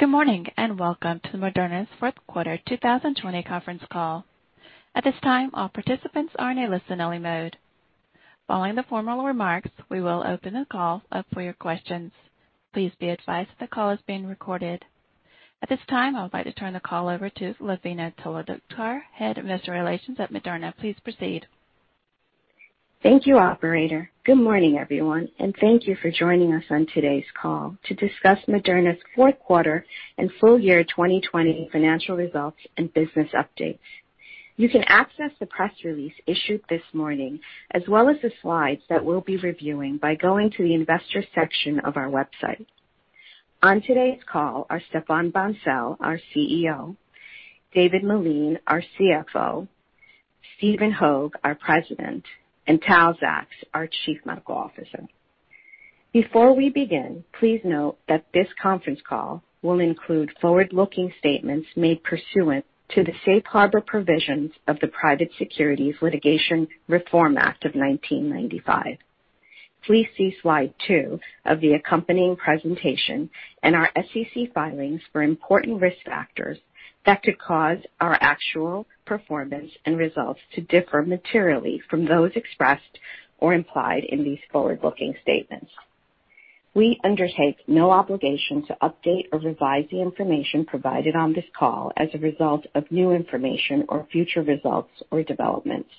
Good morning, and welcome to Moderna's fourth quarter 2020 conference call. At this time, all participants are in a listen-only mode. Following the formal remarks, we will open the call up for your questions. Please be advised that the call is being recorded. At this time, I would like to turn the call over to Lavina Talukdar, head of investor relations at Moderna. Please proceed. Thank you, operator. Good morning, everyone. Thank you for joining us on today's call to discuss Moderna's fourth quarter and full year 2020 financial results and business updates. You can access the press release issued this morning, as well as the slides that we'll be reviewing, by going to the investor section of our website. On today's call are Stéphane Bancel, our CEO, David Meline, our CFO, Stephen Hoge, our President, and Tal Zaks, our Chief Medical Officer. Before we begin, please note that this conference call will include forward-looking statements made pursuant to the Safe Harbor Provisions of the Private Securities Litigation Reform Act of 1995. Please see slide two of the accompanying presentation and our SEC filings for important risk factors that could cause our actual performance and results to differ materially from those expressed or implied in these forward-looking statements. We undertake no obligation to update or revise the information provided on this call as a result of new information or future results or developments.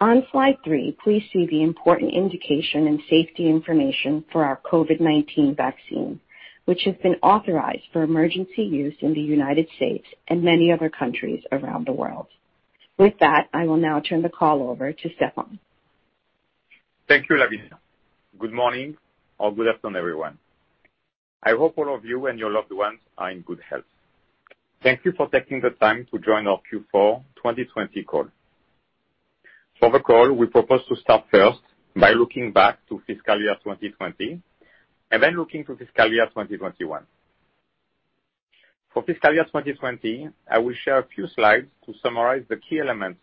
On slide three, please see the important indication and safety information for our COVID-19 vaccine, which has been authorized for emergency use in the United States and many other countries around the world. With that, I will now turn the call over to Stéphane. Thank you, Lavina. Good morning or good afternoon, everyone. I hope all of you and your loved ones are in good health. Thank you for taking the time to join our Q4 2020 call. For the call, we propose to start first by looking back to fiscal year 2020 and then looking to fiscal year 2021. For fiscal year 2020, I will share a few slides to summarize the key elements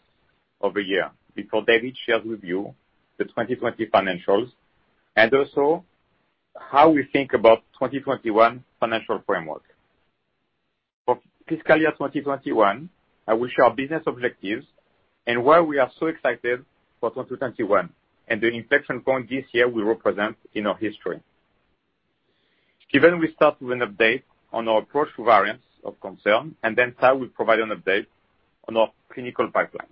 of the year before David shares with you the 2020 financials and also how we think about 2021 financial framework. For fiscal year 2021, I will share business objectives and why we are so excited for 2021 and the inflection point this year will represent in our history. Given we start with an update on our approach to variants of concern and then Tal will provide an update on our clinical pipeline.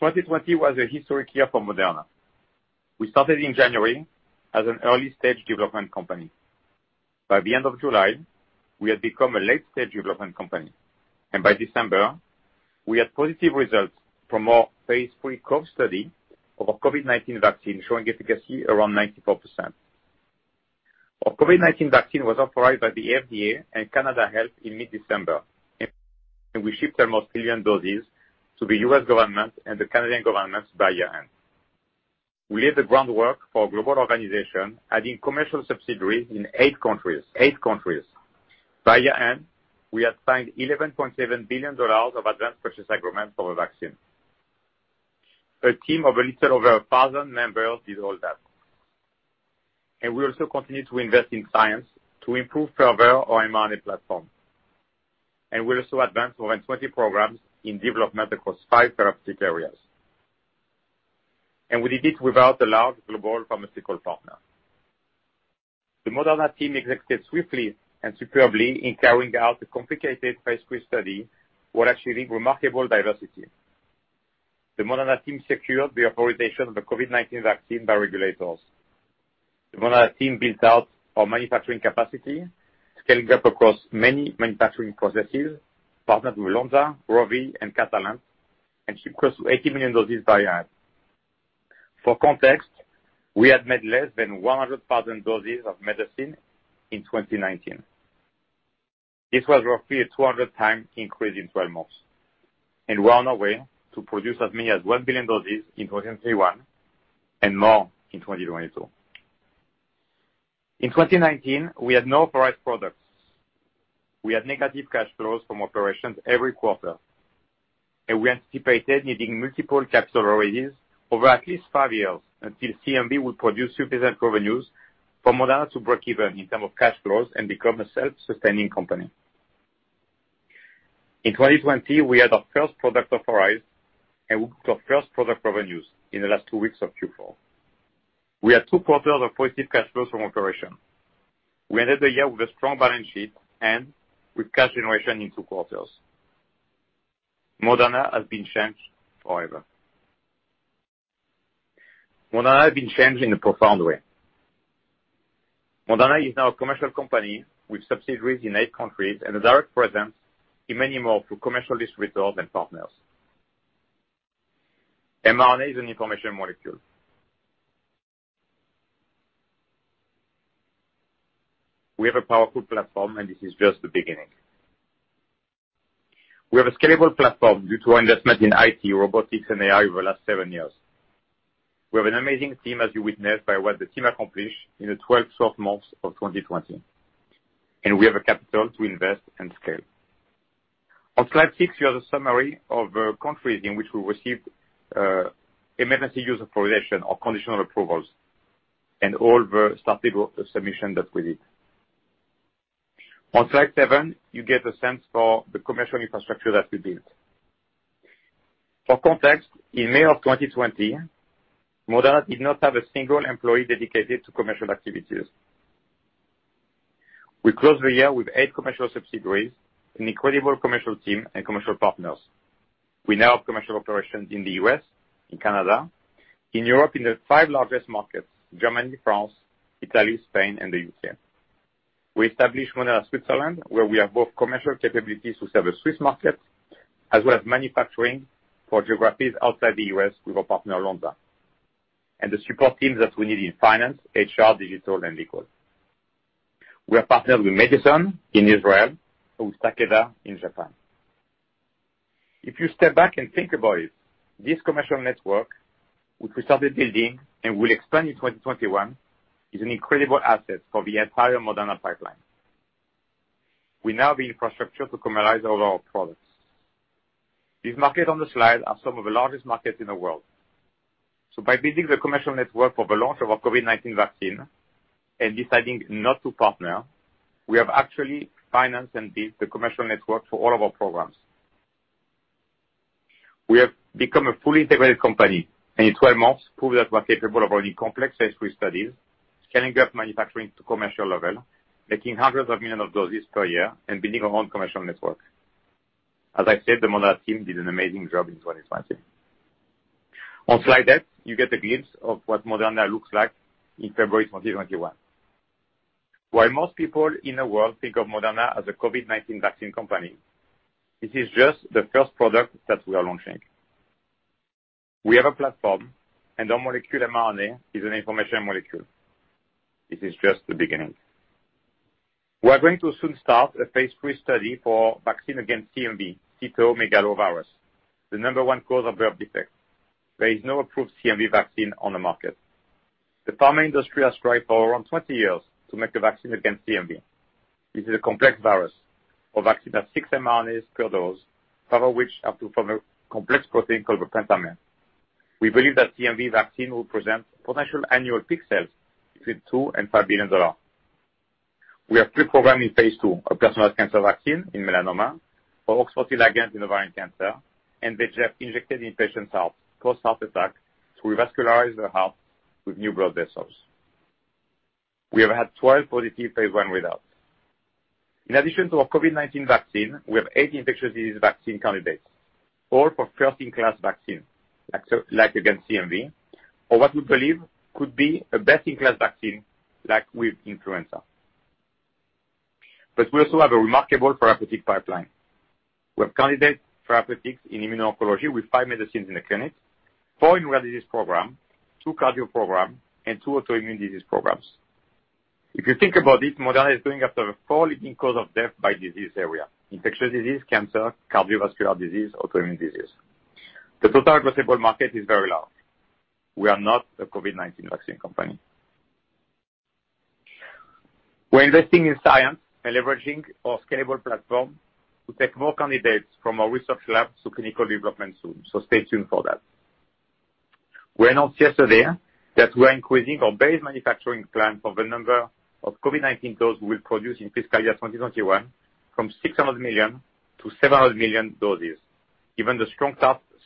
2020 was a historic year for Moderna. We started in January as an early-stage development company. By the end of July, we had become a late-stage development company. By December, we had positive results from our phase III COVE study of our COVID-19 vaccine showing efficacy around 94%. Our COVID-19 vaccine was authorized by the FDA and Health Canada in mid-December. We shipped almost billion doses to the U.S. government and the Canadian government by year-end. We laid the groundwork for global organization, adding commercial subsidiaries in eight countries. By year-end, we had signed $11.7 billion of advanced purchase agreements for the vaccine. A team of a little over 1,000 members did all that. We also continued to invest in science to improve further our mRNA platform. We also advanced more than 20 programs in development across five therapeutic areas. We did it without a large global pharmaceutical partner. The Moderna team executed swiftly and superbly in carrying out the complicated Phase III study, while achieving remarkable diversity. The Moderna team secured the authorization of the COVID-19 vaccine by regulators. The Moderna team built out our manufacturing capacity, scaling up across many manufacturing processes, partnered with Lonza, ROVI, and Catalent, and shipped close to 80 million doses by year-end. For context, we had made less than 100,000 doses of medicine in 2019. This was roughly a 200 times increase in 12 months, and we're on our way to produce as many as one billion doses in 2021 and more in 2022. In 2019, we had no authorized products. We had negative cash flows from operations every quarter. We anticipated needing multiple capital raises over at least five years until CMV will produce sufficient revenues for Moderna to break even in term of cash flows and become a self-sustaining company. In 2020, we had our first product authorized and booked our first product revenues in the last two weeks of Q4. We had two quarters of positive cash flows from operation. We ended the year with a strong balance sheet and with cash generation in two quarters. Moderna has been changed forever. Moderna has been changed in a profound way. Moderna is now a commercial company with subsidiaries in eight countries and a direct presence in many more through commercial distributors and partners. mRNA is an information molecule. We have a powerful platform, and this is just the beginning. We have a scalable platform due to our investment in IT, robotics, and AI over the last seven years. We have an amazing team, as you witnessed by what the team accomplished in the 12 short months of 2020. We have a capital to invest and scale. On slide six, you have a summary of countries in which we received emergency use authorization or conditional approvals, and all the submitted submission that we did. On slide seven, you get a sense for the commercial infrastructure that we built. For context, in May of 2020, Moderna did not have a single employee dedicated to commercial activities. We closed the year with eight commercial subsidiaries, an incredible commercial team, and commercial partners. We now have commercial operations in the U.S., in Canada, in Europe in the five largest markets, Germany, France, Italy, Spain, and the U.K. We established Moderna Switzerland, where we have both commercial capabilities to serve the Swiss market, as well as manufacturing for geographies outside the U.S. with our partner, Lonza, and the support teams that we need in finance, HR, digital, and legal. We are partnered with Medison in Israel and with Takeda in Japan. If you step back and think about it, this commercial network, which we started building and will expand in 2021, is an incredible asset for the entire Moderna pipeline. We now have the infrastructure to commercialize all our products. These markets on the slide are some of the largest markets in the world. By building the commercial network for the launch of our COVID-19 vaccine and deciding not to partner, we have actually financed and built the commercial network for all of our programs. We have become a fully integrated company. In 12 months, proved that we are capable of running complex phase III studies, scaling up manufacturing to commercial level, making hundreds of millions of doses per year, and building our own commercial network. As I said, the Moderna team did an amazing job in 2020. On slide eight, you get a glimpse of what Moderna looks like in February 2021. While most people in the world think of Moderna as a COVID-19 vaccine company, this is just the first product that we are launching. We have a platform. Our molecular mRNA is an information molecule. This is just the beginning. We are going to soon start a phase III study for vaccine against CMV, Cytomegalovirus, the number one cause of birth defects. There is no approved CMV vaccine on the market. The pharma industry has tried for around 20 years to make a vaccine against CMV. This is a complex virus. Our vaccine has six mRNAs per dose, several which have to form a complex protein called the pentamer. We believe that CMV vaccine will present potential annual peak sales between $2 billion-$5 billion. We have three programs in phase II, a personalized cancer vaccine in melanoma, our OX40 Ligand in ovarian cancer, and the gene injected in patients' hearts, post-heart attack, to revascularize the heart with new blood vessels. We have had 12 positive phase I readouts. In addition to our COVID-19 vaccine, we have 18 infectious disease vaccine candidates, all for first-in-class vaccine, like against CMV, or what we believe could be a best-in-class vaccine, like with influenza. We also have a remarkable therapeutic pipeline. We have candidates for therapeutics in immuno-oncology with five medicines in the clinic, four in rare disease program, two cardio program, and two autoimmune disease programs. If you think about it, Moderna is going after the four leading cause of death by disease area, infectious disease, cancer, cardiovascular disease, autoimmune disease. The total addressable market is very large. We are not a COVID-19 vaccine company. We're investing in science and leveraging our scalable platform to take more candidates from our research lab to clinical development soon. Stay tuned for that. We announced yesterday that we're increasing our base manufacturing plan for the number of COVID-19 dose we will produce in fiscal year 2021, from 600 million-700 million doses, given the strong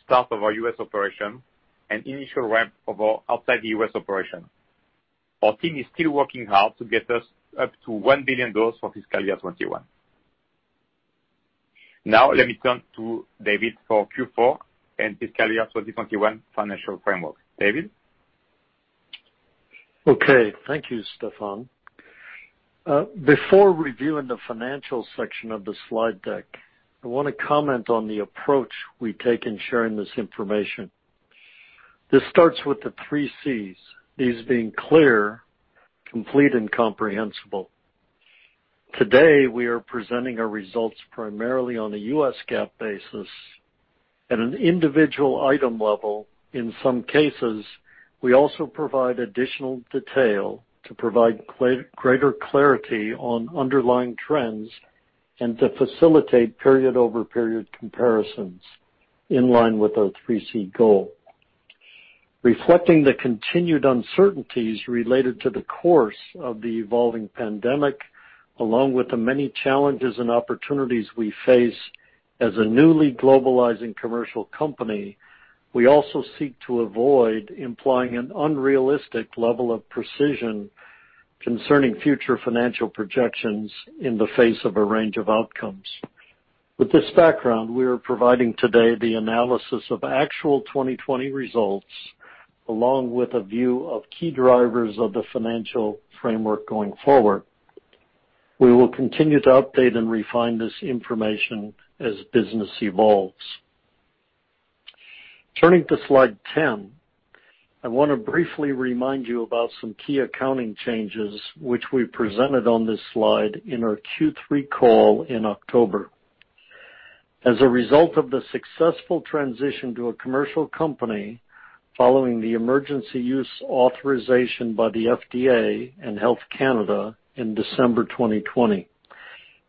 start of our U.S. operation and initial ramp of our outside the U.S. operation. Our team is still working hard to get us up to one billion dose for fiscal year 2021. Let me turn to David for Q4 and fiscal year 2021 financial framework. David? Okay. Thank you, Stéphane. Before reviewing the financial section of the slide deck, I want to comment on the approach we take in sharing this information. This starts with the three Cs, these being clear, complete, and comprehensible. Today, we are presenting our results primarily on a US GAAP basis at an individual item level. In some cases, we also provide additional detail to provide greater clarity on underlying trends and to facilitate period-over-period comparisons in line with our 3C goal. Reflecting the continued uncertainties related to the course of the evolving pandemic, along with the many challenges and opportunities we face as a newly globalizing commercial company, we also seek to avoid implying an unrealistic level of precision concerning future financial projections in the face of a range of outcomes. With this background, we are providing today the analysis of actual 2020 results, along with a view of key drivers of the financial framework going forward. We will continue to update and refine this information as business evolves. Turning to slide 10, I want to briefly remind you about some key accounting changes which we presented on this slide in our Q3 call in October. As a result of the successful transition to a commercial company. Following the emergency use authorization by the FDA and Health Canada in December 2020,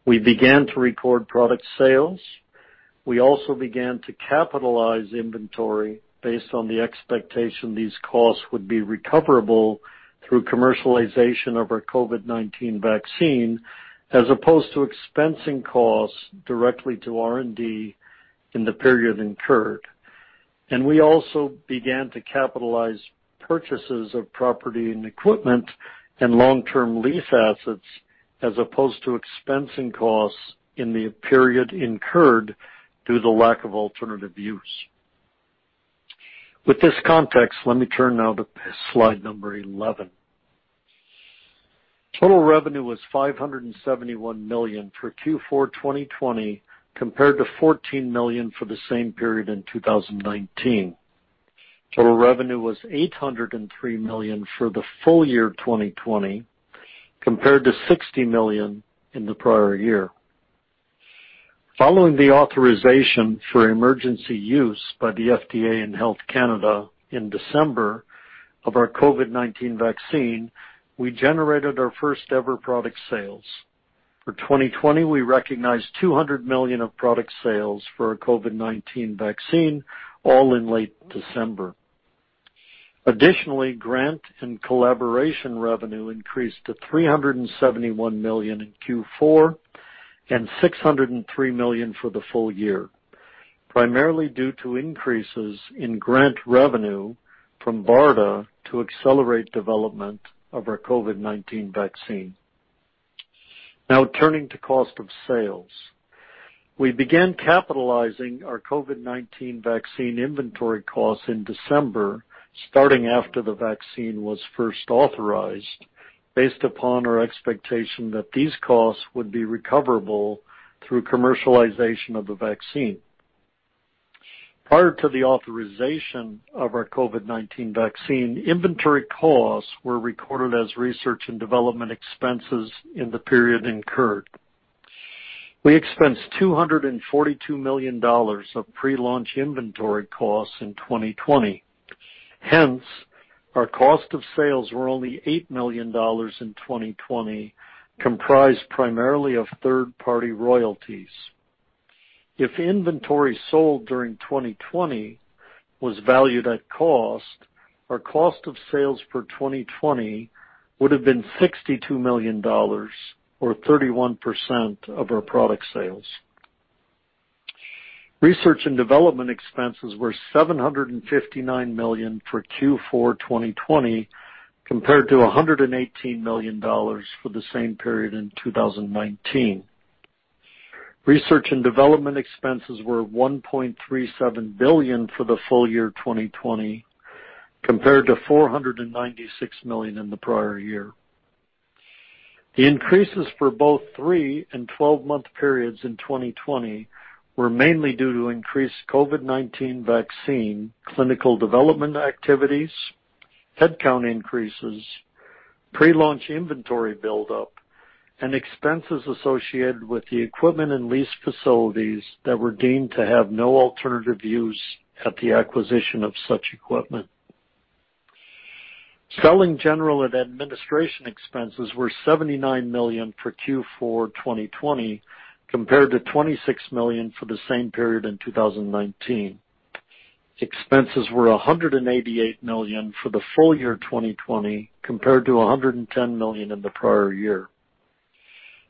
we began to record product sales. We also began to capitalize inventory based on the expectation these costs would be recoverable through commercialization of our COVID-19 vaccine, as opposed to expensing costs directly to R&D in the period incurred. We also began to capitalize purchases of property and equipment and long-term lease assets as opposed to expensing costs in the period incurred due to lack of alternative use. With this context, let me turn now to slide number 11. Total revenue was $571 million for Q4 2020, compared to $14 million for the same period in 2019. Total revenue was $803 million for the full year 2020, compared to $60 million in the prior year. Following the authorization for emergency use by the FDA and Health Canada in December of our COVID-19 vaccine, we generated our first-ever product sales. For 2020, we recognized $200 million of product sales for our COVID-19 vaccine, all in late December. Additionally, grant and collaboration revenue increased to $371 million in Q4 and $603 million for the full year, primarily due to increases in grant revenue from BARDA to accelerate development of our COVID-19 vaccine. Turning to cost of sales. We began capitalizing our COVID-19 vaccine inventory costs in December, starting after the vaccine was first authorized, based upon our expectation that these costs would be recoverable through commercialization of the vaccine. Prior to the authorization of our COVID-19 vaccine, inventory costs were recorded as research and development expenses in the period incurred. We expensed $242 million of pre-launch inventory costs in 2020. Our cost of sales were only $8 million in 2020, comprised primarily of third-party royalties. If inventory sold during 2020 was valued at cost, our cost of sales for 2020 would've been $62 million or 31% of our product sales. Research and development expenses were $759 million for Q4 2020, compared to $118 million for the same period in 2019. Research and development expenses were $1.37 billion for the full year 2020, compared to $496 million in the prior year. The increases for both three and 12-month periods in 2020 were mainly due to increased COVID-19 vaccine clinical development activities, head count increases, pre-launch inventory build-up, and expenses associated with the equipment and lease facilities that were deemed to have no alternative use at the acquisition of such equipment. Selling general and administration expenses were $79 million for Q4 2020, compared to $26 million for the same period in 2019. Expenses were $188 million for the full year 2020, compared to $110 million in the prior year.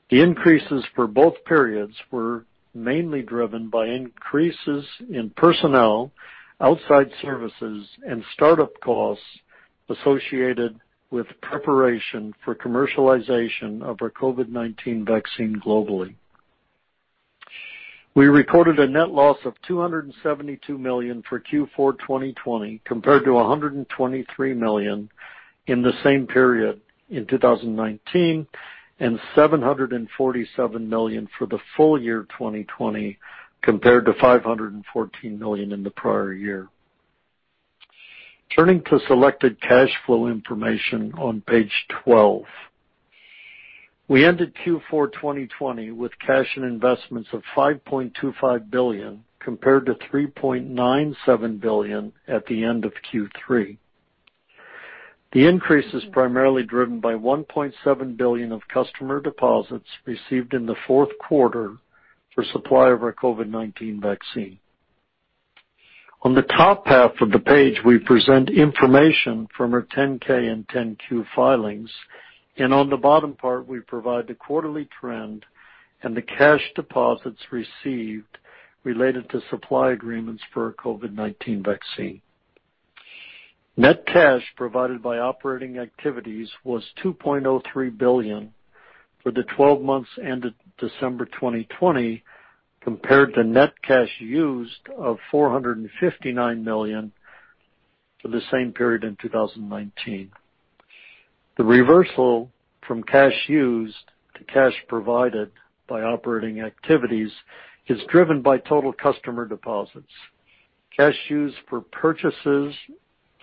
The increases for both periods were mainly driven by increases in personnel, outside services, and start-up costs associated with preparation for commercialization of our COVID-19 vaccine globally. We recorded a net loss of $272 million for Q4 2020, compared to $123 million in the same period in 2019, and $747 million for the full year 2020, compared to $514 million in the prior year. Turning to selected cash flow information on page 12. We ended Q4 2020 with cash and investments of $5.25 billion, compared to $3.97 billion at the end of Q3. The increase is primarily driven by $1.7 billion of customer deposits received in the fourth quarter for supply of our COVID-19 vaccine. On the top half of the page, we present information from our 10-K and 10-Q filings, and on the bottom part, we provide the quarterly trend and the cash deposits received related to supply agreements for our COVID-19 vaccine. Net cash provided by operating activities was $2.03 billion for the 12 months ended December 2020, compared to net cash used of $459 million for the same period in 2019. The reversal from cash used to cash provided by operating activities is driven by total customer deposits. Cash used for purchases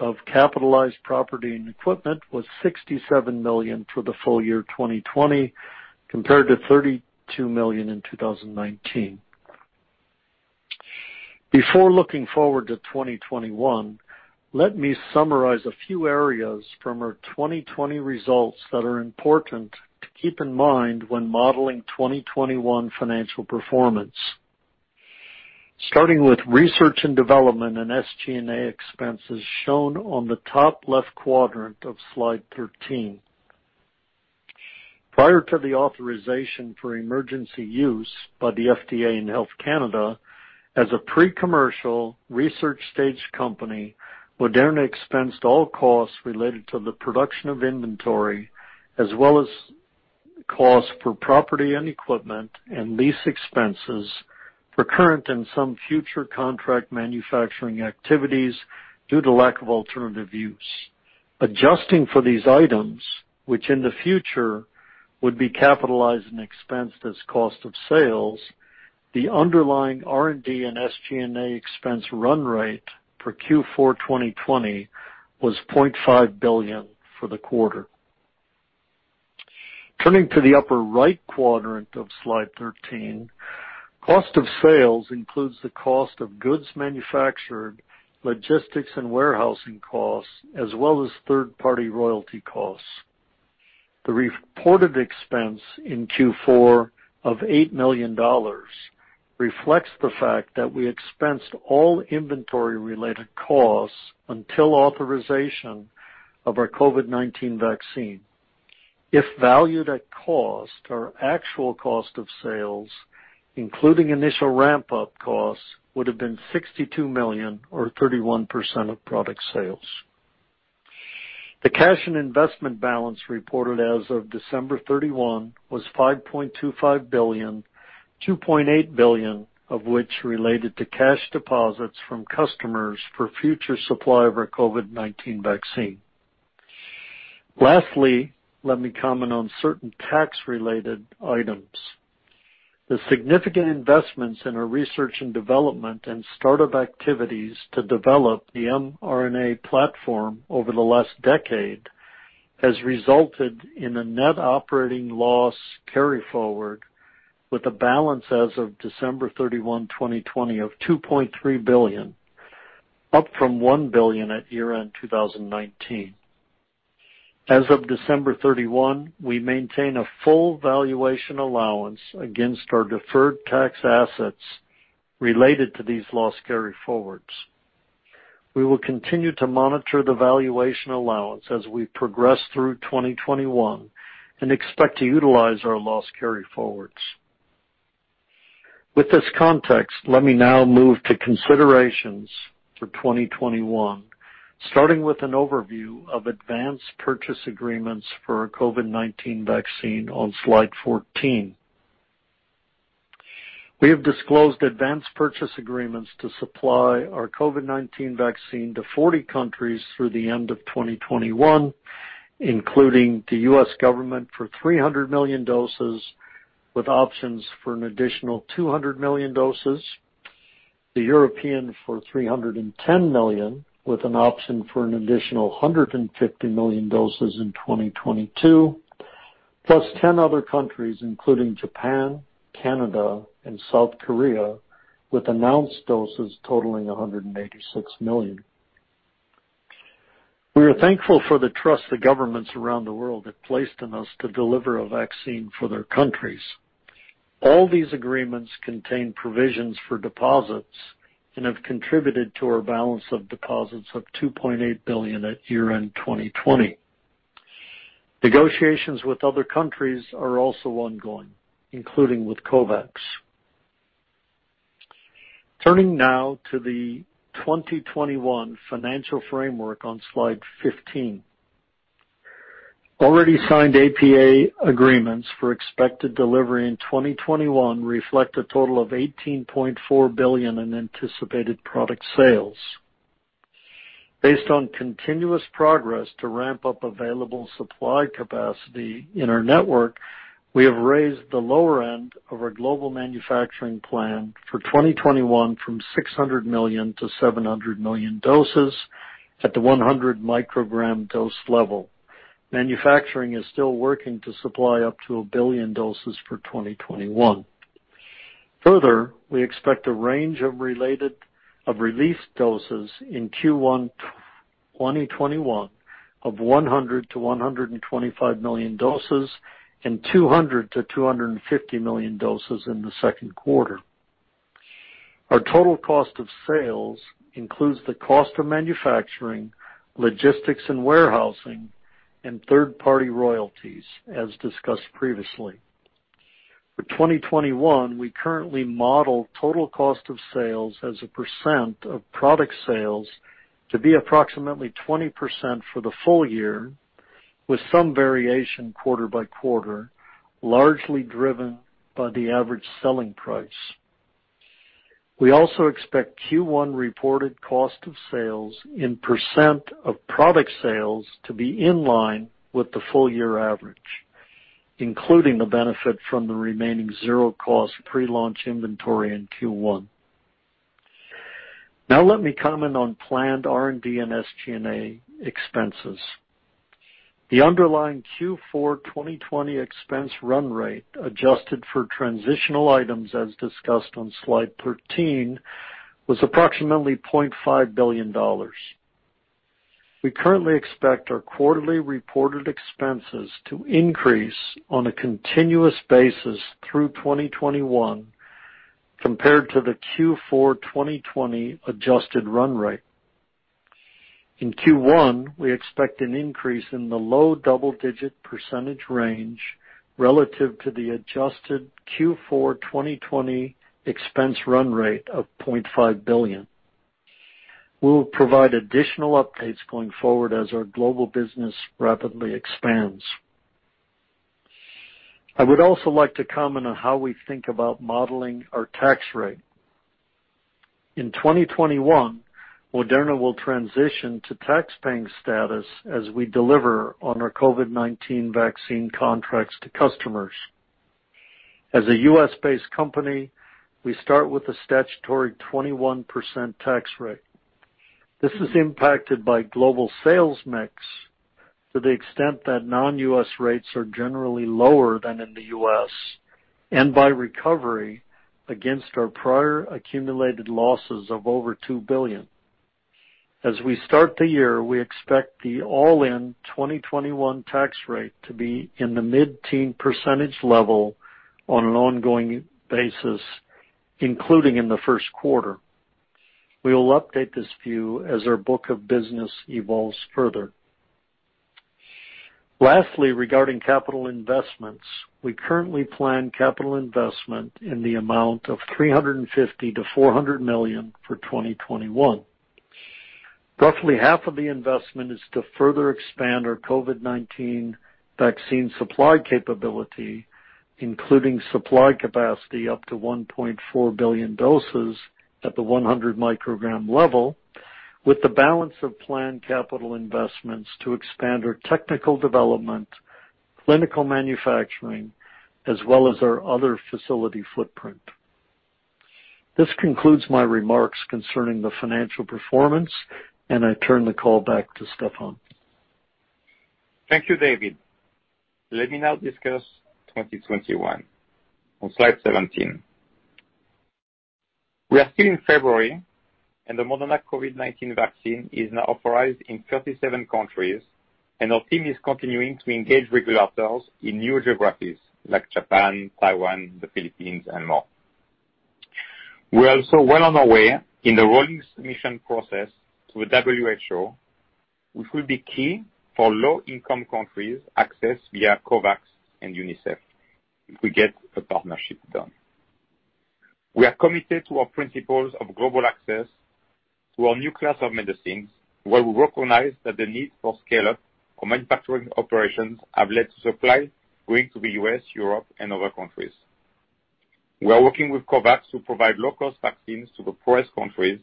of capitalized property and equipment was $67 million for the full year 2020, compared to $32 million in 2019. Before looking forward to 2021, let me summarize a few areas from our 2020 results that are important to keep in mind when modeling 2021 financial performance. Starting with research and development and SG&A expenses shown on the top left quadrant of slide 13. Prior to the authorization for emergency use by the FDA and Health Canada, as a pre-commercial, research stage company, Moderna expensed all costs related to the production of inventory, as well as cost for property and equipment and lease expenses for current and some future contract manufacturing activities due to lack of alternative use. Adjusting for these items, which in the future would be capitalized and expensed as cost of sales, the underlying R&D and SG&A expense run rate for Q4 2020 was $0.5 billion for the quarter. Turning to the upper right quadrant of slide 13, cost of sales includes the cost of goods manufactured, logistics and warehousing costs, as well as third-party royalty costs. The reported expense in Q4 of $8 million reflects the fact that we expensed all inventory related costs until authorization of our COVID-19 vaccine. If valued at cost, our actual cost of sales, including initial ramp-up costs, would've been $62 million or 31% of product sales. The cash and investment balance reported as of December 31 was $5.25 billion, $2.8 billion of which related to cash deposits from customers for future supply of our COVID-19 vaccine. Let me comment on certain tax-related items. The significant investments in our research and development and start-up activities to develop the mRNA platform over the last decade has resulted in a net operating loss carryforward with a balance as of December 31, 2020 of $2.3 billion, up from $1 billion at year-end 2019. As of December 31, we maintain a full valuation allowance against our deferred tax assets related to these loss carryforwards. We will continue to monitor the valuation allowance as we progress through 2021 and expect to utilize our loss carryforwards. With this context, let me now move to considerations for 2021, starting with an overview of advance purchase agreements for our COVID-19 vaccine on slide 14. We have disclosed advance purchase agreements to supply our COVID-19 vaccine to 40 countries through the end of 2021, including the U.S. government for 300 million doses with options for an additional 200 million doses, the European for 310 million with an option for an additional 150 million doses in 2022, plus 10 other countries, including Japan, Canada, and South Korea, with announced doses totaling 186 million. We are thankful for the trust the governments around the world have placed in us to deliver a vaccine for their countries. All these agreements contain provisions for deposits and have contributed to our balance of deposits of $2.8 billion at year-end 2020. Negotiations with other countries are also ongoing, including with COVAX. Turning now to the 2021 financial framework on slide 15. Already signed APA agreements for expected delivery in 2021 reflect a total of $18.4 billion in anticipated product sales. Based on continuous progress to ramp up available supply capacity in our network, we have raised the lower end of our global manufacturing plan for 2021 from 600 million-700 million doses at the 100 mcg dose level. Manufacturing is still working to supply up to a billion doses for 2021. We expect a range of relief doses in Q1 2021 of 100 million-125 million doses and 200 million-250 million doses in the second quarter. Our total cost of sales includes the cost of manufacturing, logistics and warehousing, and third-party royalties, as discussed previously. For 2021, we currently model total cost of sales as a percent of product sales to be approximately 20% for the full year, with some variation quarter by quarter, largely driven by the average selling price. We also expect Q1 reported cost of sales in % of product sales to be in line with the full year average, including the benefit from the remaining zero cost pre-launch inventory in Q1. Now let me comment on planned R&D and SG&A expenses. The underlying Q4 2020 expense run rate, adjusted for transitional items as discussed on slide 13, was approximately $0.5 billion. We currently expect our quarterly reported expenses to increase on a continuous basis through 2021 compared to the Q4 2020 adjusted run rate. In Q1, we expect an increase in the low double-digit % range relative to the adjusted Q4 2020 expense run rate of $0.5 billion. We'll provide additional updates going forward as our global business rapidly expands. I would also like to comment on how we think about modeling our tax rate. In 2021, Moderna will transition to tax-paying status as we deliver on our COVID-19 vaccine contracts to customers. As a U.S.-based company, we start with a statutory 21% tax rate. This is impacted by global sales mix to the extent that non-U.S. rates are generally lower than in the U.S., and by recovery against our prior accumulated losses of over $2 billion. As we start the year, we expect the all-in 2021 tax rate to be in the mid-teen percentage level on an ongoing basis, including in the first quarter. We will update this view as our book of business evolves further. Lastly, regarding capital investments, we currently plan capital investment in the amount of $350 million-$400 million for 2021. Roughly half of the investment is to further expand our COVID-19 vaccine supply capability, including supply capacity up to 1.4 billion doses at the 100 mcg level, with the balance of planned capital investments to expand our technical development, clinical manufacturing, as well as our other facility footprint. This concludes my remarks concerning the financial performance, and I turn the call back to Stéphane. Thank you, David. Let me now discuss 2021 on slide 17. We are still in February, and the Moderna COVID-19 vaccine is now authorized in 37 countries, and our team is continuing to engage regulators in new geographies like Japan, Taiwan, the Philippines, and more. We are also well on our way in the rolling submission process to the WHO, which will be key for low-income countries' access via COVAX and UNICEF if we get the partnership done. We are committed to our principles of global access to our new class of medicines, where we recognize that the need for scale-up for manufacturing operations have led to supply going to the U.S., Europe, and other countries. We are working with COVAX to provide low-cost vaccines to the poorest countries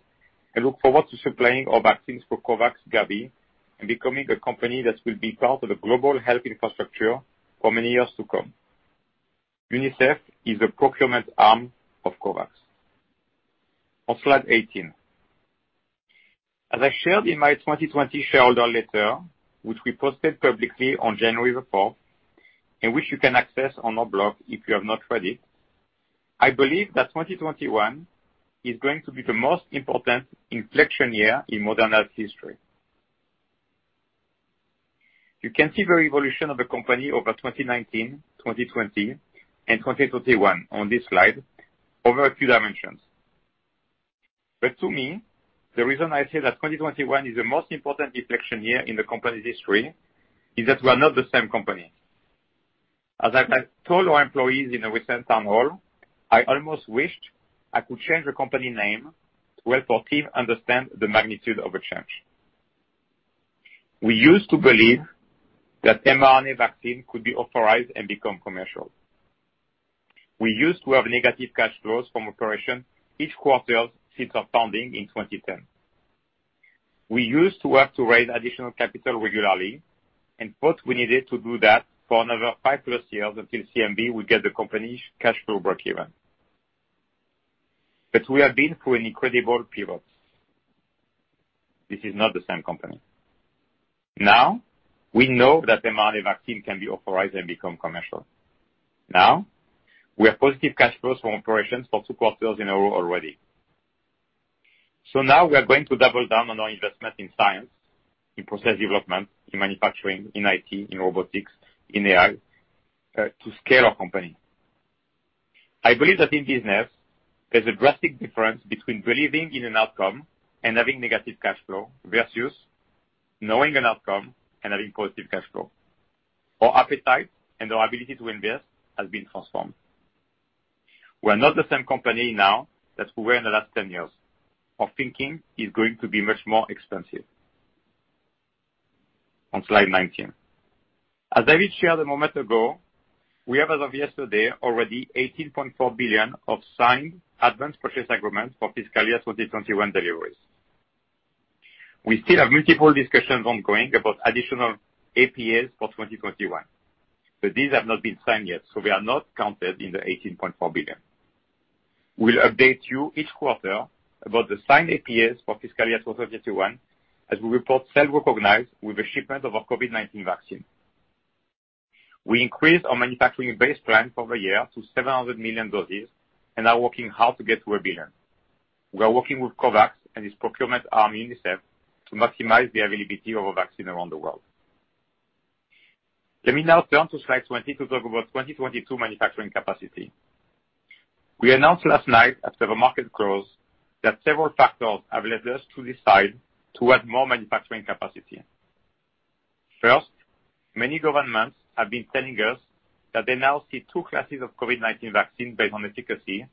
and look forward to supplying our vaccines for COVAX Gavi and becoming a company that will be part of the global health infrastructure for many years to come. UNICEF is a procurement arm of COVAX. On slide 18. As I shared in my 2020 shareholder letter, which we posted publicly on January the fourth, and which you can access on our blog if you have not read it, I believe that 2021 is going to be the most important inflection year in Moderna's history. You can see the evolution of the company over 2019, 2020, and 2021 on this slide over a few dimensions. To me, the reason I say that 2021 is the most important inflection year in the company's history is that we're not the same company. As I told our employees in a recent town hall, I almost wished I could change the company name to help our team understand the magnitude of the change. We used to believe that mRNA vaccine could be authorized and become commercial. We used to have negative cash flows from operations each quarter since our founding in 2010. We used to have to raise additional capital regularly, and thought we needed to do that for another five-plus years until CMV would get the company's cash flow breakeven. We have been through an incredible pivot. This is not the same company. Now, we know that mRNA vaccine can be authorized and become commercial. Now, we have positive cash flows from operations for two quarters in a row already. Now we are going to double down on our investment in science, in process development, in manufacturing, in IT, in robotics, in AI, to scale our company. I believe that in business, there's a drastic difference between believing in an outcome and having negative cash flow versus knowing an outcome and having positive cash flow. Our appetite and our ability to invest has been transformed. We're not the same company now that we were in the last 10 years. Our thinking is going to be much more expansive. On slide 19. As David shared a moment ago, we have, as of yesterday, already $18.4 billion of signed advanced purchase agreements for fiscal year 2021 deliveries. We still have multiple discussions ongoing about additional APAs for 2021. These have not been signed yet, so they are not counted in the $18.4 billion. We'll update you each quarter about the signed APAs for FY 2021, as we report sales recognized with the shipment of our COVID-19 vaccine. We increased our manufacturing base plan for the year to 700 million doses and are working hard to get to 1 billion. We are working with COVAX and its procurement arm, UNICEF, to maximize the availability of a vaccine around the world. Let me now turn to slide 20 to talk about 2022 manufacturing capacity. We announced last night after the market close that several factors have led us to decide to add more manufacturing capacity. First, many governments have been telling us that they now see two classes of COVID-19 vaccine based on efficacy,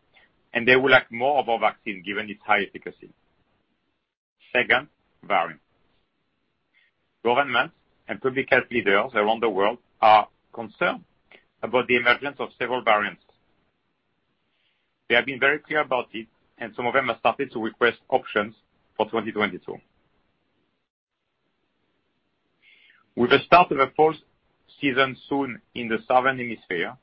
and they would like more of our vaccine given its high efficacy. Second, variants. Governments and public health leaders around the world are concerned about the emergence of several variants. They have been very clear about it, and some of them have started to request options for 2022. With the start of the fall season soon in the southern hemisphere,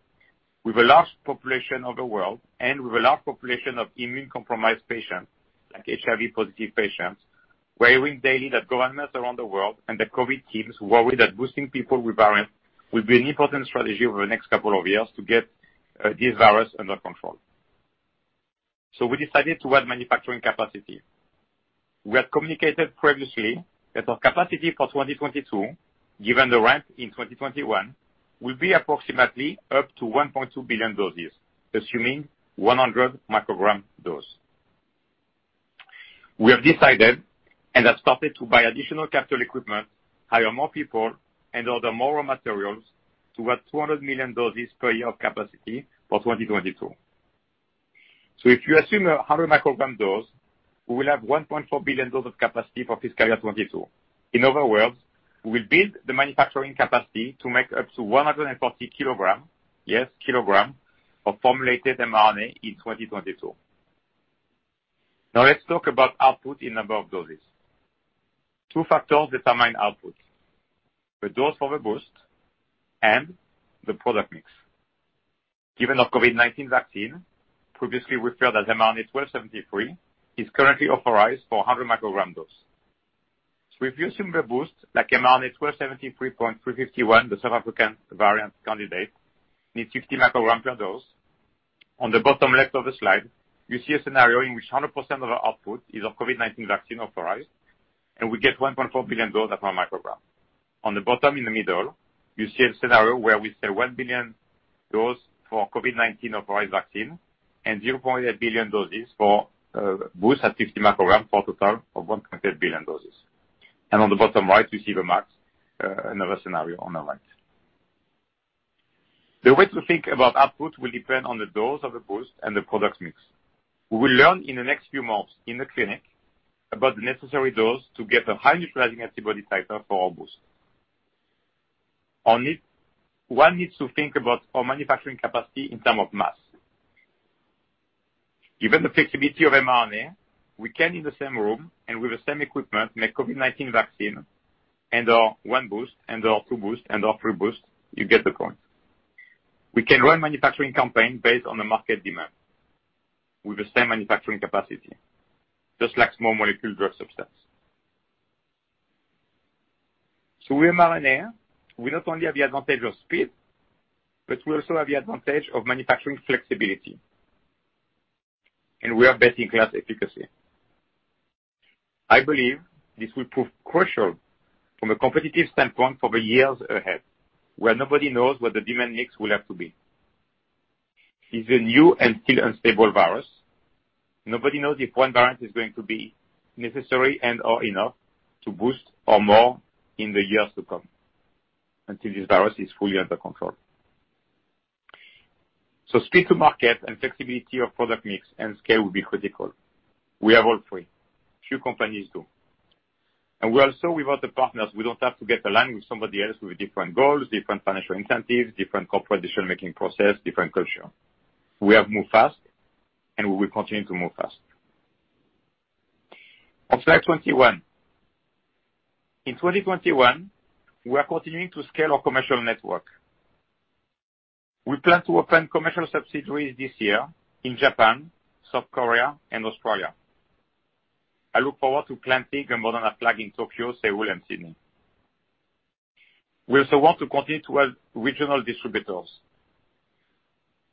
with a large population of the world and with a large population of immune-compromised patients, like HIV positive patients, we are hearing daily that governments around the world and the COVID teams worry that boosting people with variants will be an important strategy over the next couple of years to get this virus under control. We decided to add manufacturing capacity. We have communicated previously that our capacity for 2022, given the ramp in 2021, will be approximately up to 1.2 billion doses, assuming 100 mcg dose. We have decided and have started to buy additional capital equipment, hire more people, and order more raw materials to add 200 million doses per year of capacity for 2022. If you assume 100 mcg dose, we will have 1.4 billion dose of capacity for fiscal year 2022. In other words, we will build the manufacturing capacity to make up to 140 kg, yes, kilogram, of formulated mRNA in 2022. Let's talk about output in number of doses. Two factors determine output, the dose for the boost and the product mix. Given our COVID-19 vaccine, previously referred as mRNA-1273, is currently authorized for 100 microgram dose. If you assume the boost, like mRNA-1273.351, the South African variant candidate, needs 60 microgram per dose. On the bottom left of the slide, you see a scenario in which 100% of our output is of COVID-19 vaccine authorized. We get 1.4 billion doses at 100 mcg. On the bottom in the middle, you see a scenario where we say 1 billion doses for COVID-19 authorized vaccine and 0.8 billion doses for boost at 60 mcg for a total of 1.8 billion doses. On the bottom right, you see the max, another scenario on the right. The way to think about output will depend on the dose of the boost and the product mix. We will learn in the next few months in the clinic about the necessary dose to get a high neutralizing antibody titer for our boost. One needs to think about our manufacturing capacity in terms of mass. Given the flexibility of mRNA, we can in the same room and with the same equipment make COVID-19 vaccine and/or one boost and/or two boost and/or three boost, you get the point. We can run manufacturing campaign based on the market demand with the same manufacturing capacity, just like small molecule drug substance. With mRNA, we not only have the advantage of speed, but we also have the advantage of manufacturing flexibility, and we are best-in-class efficacy. I believe this will prove crucial from a competitive standpoint for the years ahead, where nobody knows what the demand mix will have to be. It's a new and still unstable virus. Nobody knows if one variant is going to be necessary and/or enough to boost or more in the years to come until this virus is fully under control. Speed to market and flexibility of product mix and scale will be critical. We have all three. Few companies do. We are also without the partners. We don't have to get aligned with somebody else with different goals, different financial incentives, different corporate decision-making process, different culture. We have moved fast, and we will continue to move fast. On slide 21. In 2021, we are continuing to scale our commercial network. We plan to open commercial subsidiaries this year in Japan, South Korea, and Australia. I look forward to planting a Moderna flag in Tokyo, Seoul, and Sydney. We also want to continue to add regional distributors.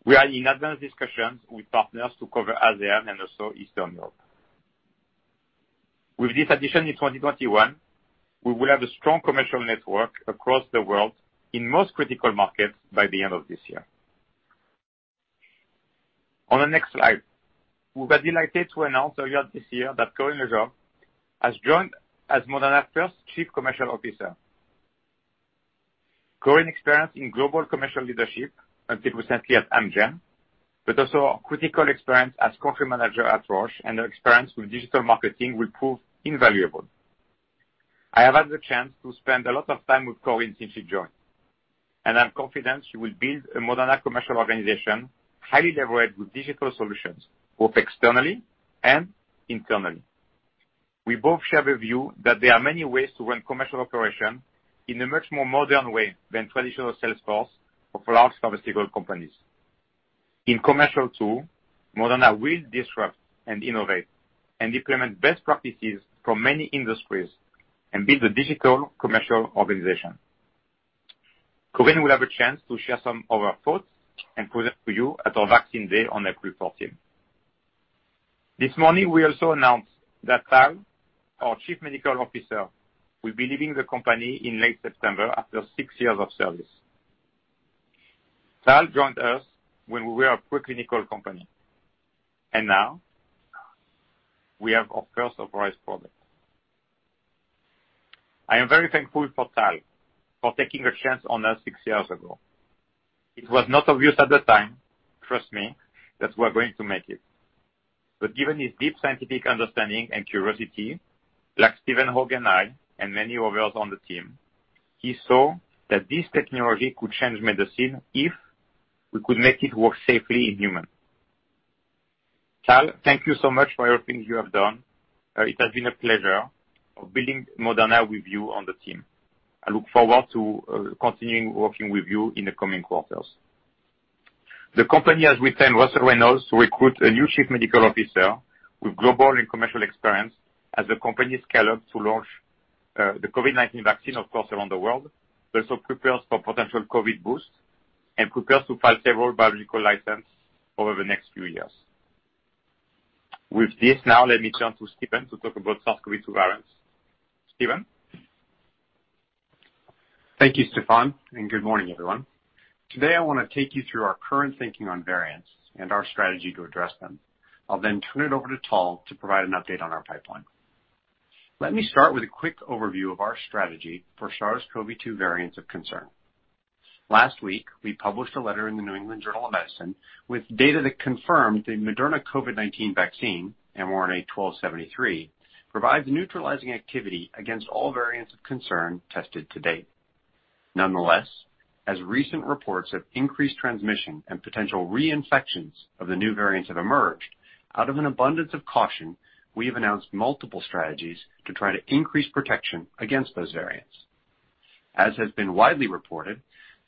We are in advanced discussions with partners to cover ASEAN and also Eastern Europe. With this addition in 2021, we will have a strong commercial network across the world in most critical markets by the end of this year. On the next slide. We were delighted to announce earlier this year that Corinne Le Goff has joined as Moderna first Chief Commercial Officer. Corinne experience in global commercial leadership, until recently at Amgen, but also critical experience as country manager at Roche and her experience with digital marketing will prove invaluable. I have had the chance to spend a lot of time with Corinne since she joined. I'm confident she will build a Moderna commercial organization, highly leveraged with digital solutions, both externally and internally. We both share the view that there are many ways to run commercial operation in a much more modern way than traditional sales force of large pharmaceutical companies. In commercial too, Moderna will disrupt and innovate and implement best practices from many industries and build a digital commercial organization. Corinne will have a chance to share some of her thoughts and present to you at our Vaccines Day on April 14th. This morning, we also announced that Tal, our Chief Medical Officer, will be leaving the company in late September after six years of service. Tal joined us when we were a preclinical company. Now we have our first authorized product. I am very thankful for Tal for taking a chance on us six years ago. It was not obvious at the time, trust me, that we're going to make it. Given his deep scientific understanding and curiosity, like Stephen Hoge and I, and many others on the team, he saw that this technology could change medicine if we could make it work safely in humans. Tal, thank you so much for everything you have done. It has been a pleasure building Moderna with you on the team. I look forward to continuing working with you in the coming quarters. The company has retained Russell Reynolds Associates to recruit a new chief medical officer with global and commercial experience as the company scales up to launch the COVID-19 vaccine, of course, around the world, but also prepares for potential COVID boosts and prepares to file several biological license over the next few years. With this now, let me turn to Stephen to talk about SARS-CoV-2 variants. Stephen? Thank you, Stéphane, and good morning, everyone. Today, I want to take you through our current thinking on variants and our strategy to address them. I'll turn it over to Tal to provide an update on our pipeline. Let me start with a quick overview of our strategy for SARS-CoV-2 variants of concern. Last week, we published a letter in the New England Journal of Medicine with data that confirmed the Moderna COVID-19 vaccine, mRNA-1273, provides neutralizing activity against all variants of concern tested to date. Nonetheless, as recent reports of increased transmission and potential reinfections of the new variants have emerged, out of an abundance of caution, we have announced multiple strategies to try to increase protection against those variants. As has been widely reported,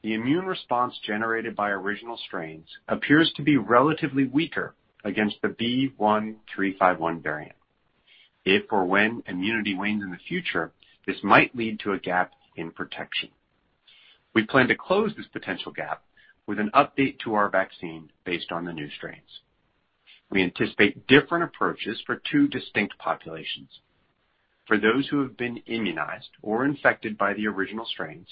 the immune response generated by original strains appears to be relatively weaker against the B.1.351 variant. If or when immunity wanes in the future, this might lead to a gap in protection. We plan to close this potential gap with an update to our vaccine based on the new strains. We anticipate different approaches for two distinct populations. For those who have been immunized or infected by the original strains,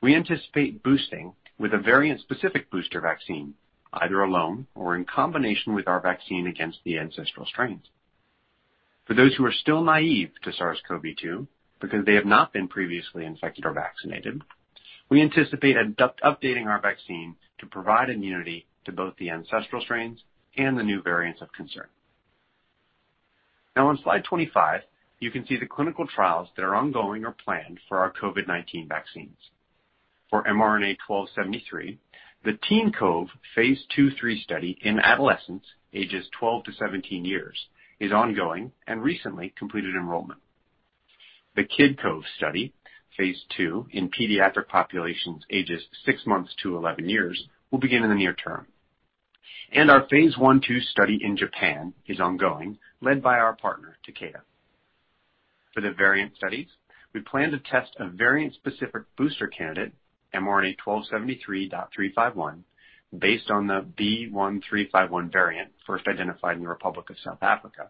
we anticipate boosting with a variant-specific booster vaccine, either alone or in combination with our vaccine against the ancestral strains. For those who are still naive to SARS-CoV-2 because they have not been previously infected or vaccinated, we anticipate updating our vaccine to provide immunity to both the ancestral strains and the new variants of concern. On slide 25, you can see the clinical trials that are ongoing or planned for our COVID-19 vaccines. For mRNA-1273, the TeenCOVE phase II-III study in adolescents ages 12 years-17 years is ongoing and recently completed enrollment. The KidCOVE study, phase II in pediatric populations ages six months to 11 years, will begin in the near term. Our phase I-II study in Japan is ongoing, led by our partner, Takeda. For the variant studies, we plan to test a variant-specific booster candidate, mRNA-1273.351, based on the B.1.351 variant first identified in the Republic of South Africa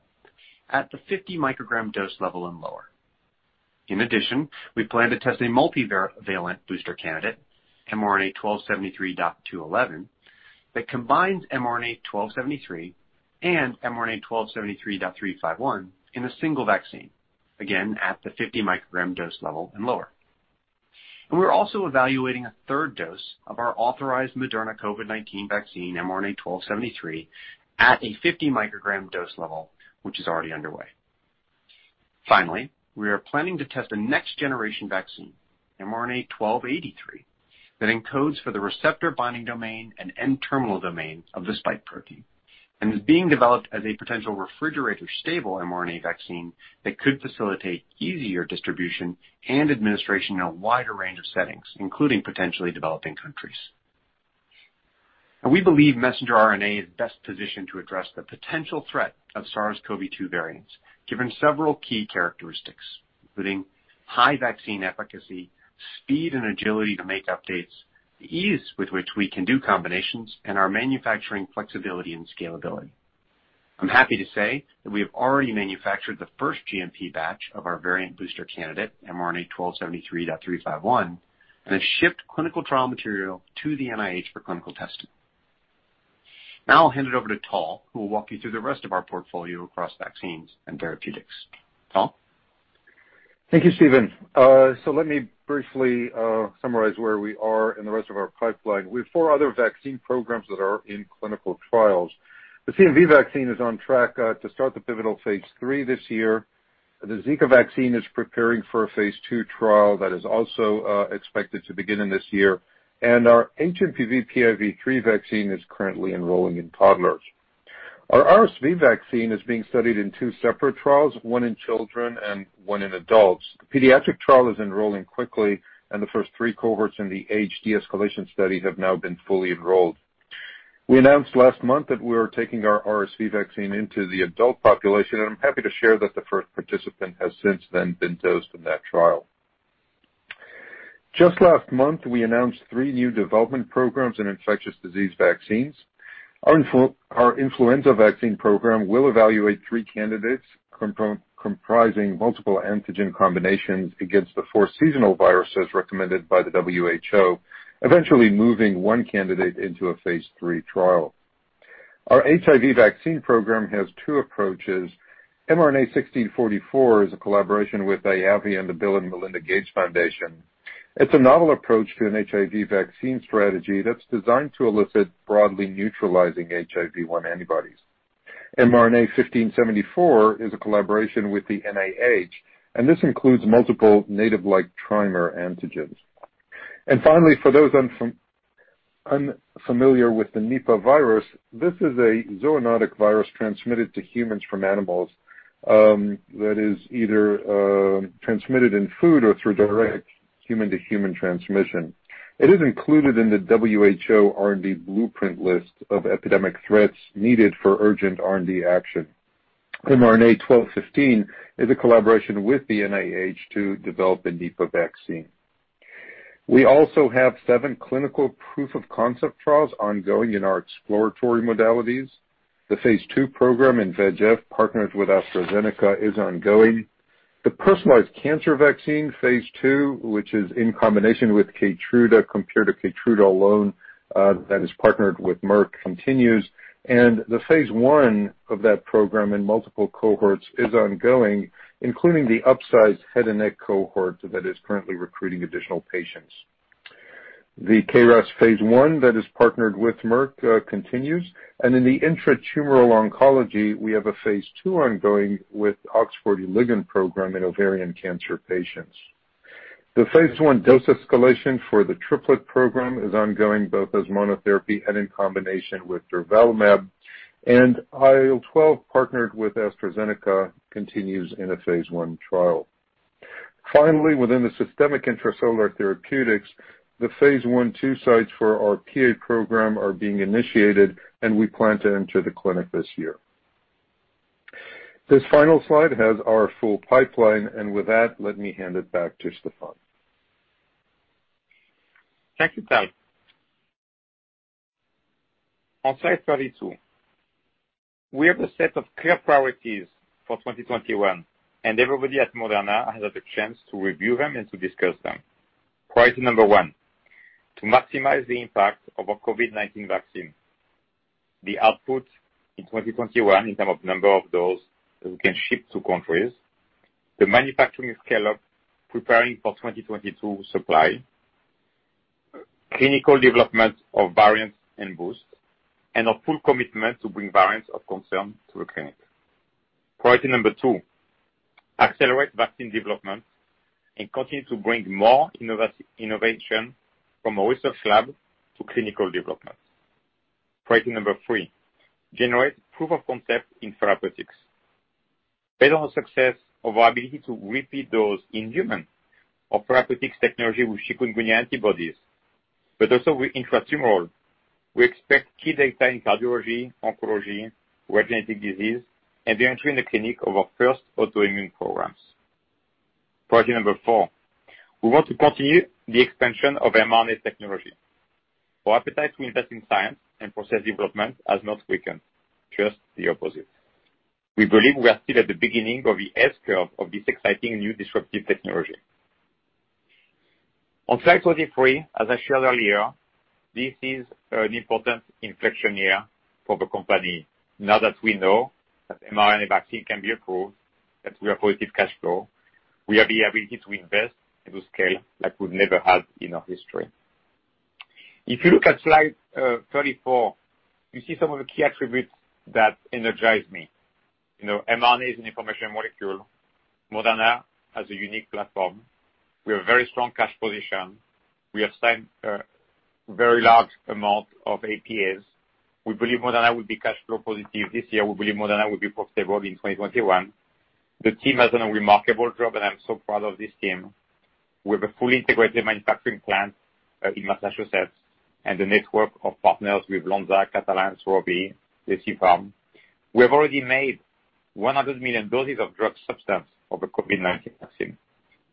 at the 50 mcg dose level and lower. In addition, we plan to test a multivalent booster candidate, mRNA-1273.211, that combines mRNA-1273 and mRNA-1273.351 in a single vaccine, again, at the 50 mcg dose level and lower. We're also evaluating a third dose of our authorized Moderna COVID-19 vaccine, mRNA-1273, at a 50 mcg dose level, which is already underway. Finally, we are planning to test a next generation vaccine, mRNA-1283, that encodes for the receptor binding domain and N-terminal domain of the spike protein and is being developed as a potential refrigerator-stable mRNA vaccine that could facilitate easier distribution and administration in a wider range of settings, including potentially developing countries. We believe messenger RNA is best positioned to address the potential threat of SARS-CoV-2 variants, given several key characteristics, including high vaccine efficacy, speed and agility to make updates, the ease with which we can do combinations, and our manufacturing flexibility and scalability. I'm happy to say that we have already manufactured the first GMP batch of our variant booster candidate, mRNA-1273.351, and have shipped clinical trial material to the NIH for clinical testing. Now I'll hand it over to Tal, who will walk you through the rest of our portfolio across vaccines and therapeutics. Tal? Thank you, Stephen. Let me briefly summarize where we are in the rest of our pipeline. We have four other vaccine programs that are in clinical trials. The CMV vaccine is on track to start the pivotal phase III this year. The Zika vaccine is preparing for a phase II trial that is also expected to begin in this year. Our hMPV/PIV3 vaccine is currently enrolling in toddlers. Our RSV vaccine is being studied in two separate trials, one in children and one in adults. The pediatric trial is enrolling quickly, and the first three cohorts in the age de-escalation study have now been fully enrolled. We announced last month that we are taking our RSV vaccine into the adult population, and I'm happy to share that the first participant has since then been dosed in that trial. Just last month, we announced three new development programs in infectious disease vaccines. Our influenza vaccine program will evaluate three candidates comprising multiple antigen combinations against the four seasonal viruses recommended by the WHO, eventually moving one candidate into a phase III trial. Our HIV vaccine program has two approaches. mRNA-1644 is a collaboration with IAVI and the Bill & Melinda Gates Foundation. It's a novel approach to an HIV vaccine strategy that's designed to elicit broadly neutralizing HIV1 antibodies. mRNA-1574 is a collaboration with the NIH, and this includes multiple native-like trimer antigens. Finally, for those unfamiliar with the Nipah virus, this is a zoonotic virus transmitted to humans from animals, that is either transmitted in food or through direct human-to-human transmission. It is included in the WHO R&D blueprint list of epidemic threats needed for urgent R&D action. mRNA-1215 is a collaboration with the NIH to develop a Nipah vaccine. We also have seven clinical proof of concept trials ongoing in our exploratory modalities. The phase II program in VEGF, partnered with AstraZeneca, is ongoing. The personalized cancer vaccine phase II, which is in combination with KEYTRUDA, compared to KEYTRUDA alone, that is partnered with Merck, continues. The phase I of that program in multiple cohorts is ongoing, including the upsized head and neck cohort that is currently recruiting additional patients. The KRAS phase I that is partnered with Merck continues, and in the intratumoral oncology, we have a phase II ongoing with OX40 Ligand program in ovarian cancer patients. The phase I dose escalation for the triplet program is ongoing, both as monotherapy and in combination with durvalumab, and IL-12, partnered with AstraZeneca, continues in a phase I trial. Finally, within the systemic intracellular therapeutics, the phase I/II sites for our PA program are being initiated, and we plan to enter the clinic this year. This final slide has our full pipeline, and with that, let me hand it back to Stéphane. Thank you, Tal. On slide 32, we have a set of clear priorities for 2021. Everybody at Moderna has had a chance to review them and to discuss them. Priority number one, to maximize the impact of our COVID-19 vaccine. The output in 2021 in terms of number of doses that we can ship to countries, the manufacturing scale-up preparing for 2022 supply, clinical development of variants and boost, a full commitment to bring variants of concern to the clinic. Priority number two, accelerate vaccine development and continue to bring more innovation from a research lab to clinical development. Priority number three, generate proof of concept in therapeutics. Based on the success of our ability to repeat those in humans, our therapeutics technology with Chikungunya antibodies, also with intratumoral. We expect key data in cardiology, oncology, rare genetic disease, and the entry in the clinic of our first autoimmune programs. Priority number four, we want to continue the expansion of mRNA's technology. Our appetite to invest in science and process development has not weakened, just the opposite. We believe we are still at the beginning of the S-curve of this exciting new disruptive technology. On slide 33, as I showed earlier, this is an important inflection year for the company. Now that we know that mRNA vaccine can be approved, that we are positive cash flow, we have the ability to invest and to scale like we've never had in our history. If you look at slide 34, you see some of the key attributes that energize me. mRNA is an information molecule. Moderna has a unique platform. We have very strong cash position. We have signed a very large amount of APAs. We believe Moderna will be cash flow positive this year. We believe Moderna will be profitable in 2021. The team has done a remarkable job, and I'm so proud of this team. We have a fully integrated manufacturing plant in Massachusetts and a network of partners with Lonza, Catalent, ROVI, GC Pharma. We have already made 100 million doses of drug substance of the COVID-19 vaccine.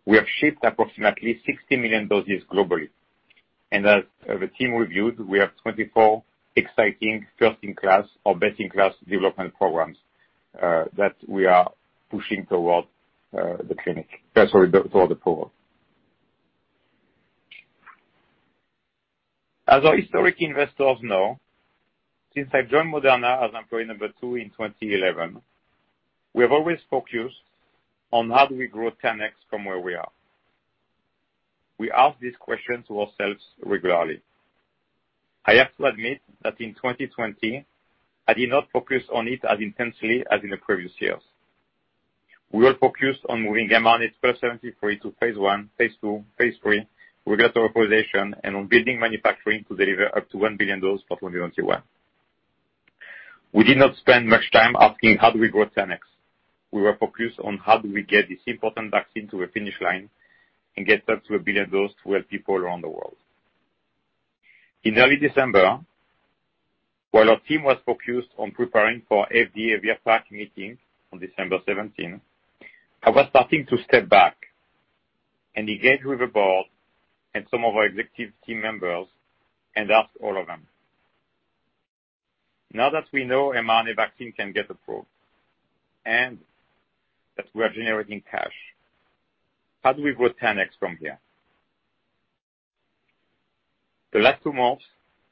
We have shipped approximately 60 million doses globally. As the team reviewed, we have 24 exciting first-in-class or best-in-class development programs that we are pushing toward the clinic. Sorry, toward the program. As our historic investors know, since I've joined Moderna as employee number two in 2011, we have always focused on how do we grow 10x from where we are. We ask these questions to ourselves regularly. I have to admit that in 2020, I did not focus on it as intensely as in the previous years. We were focused on moving mRNA-1273 to phase I, phase II, phase III, regulatory authorization, and on building manufacturing to deliver up to 1 billion doses for 2021. We did not spend much time asking how do we grow 10x. We were focused on how do we get this important vaccine to a finish line and get that to one billion doses to help people around the world. In early December, while our team was focused on preparing for FDA VRBPAC meeting on December 17, I was starting to step back and engage with the board and some of our executive team members and ask all of them. Now that we know mRNA vaccine can get approved and that we are generating cash, how do we grow 10x from here. The last two months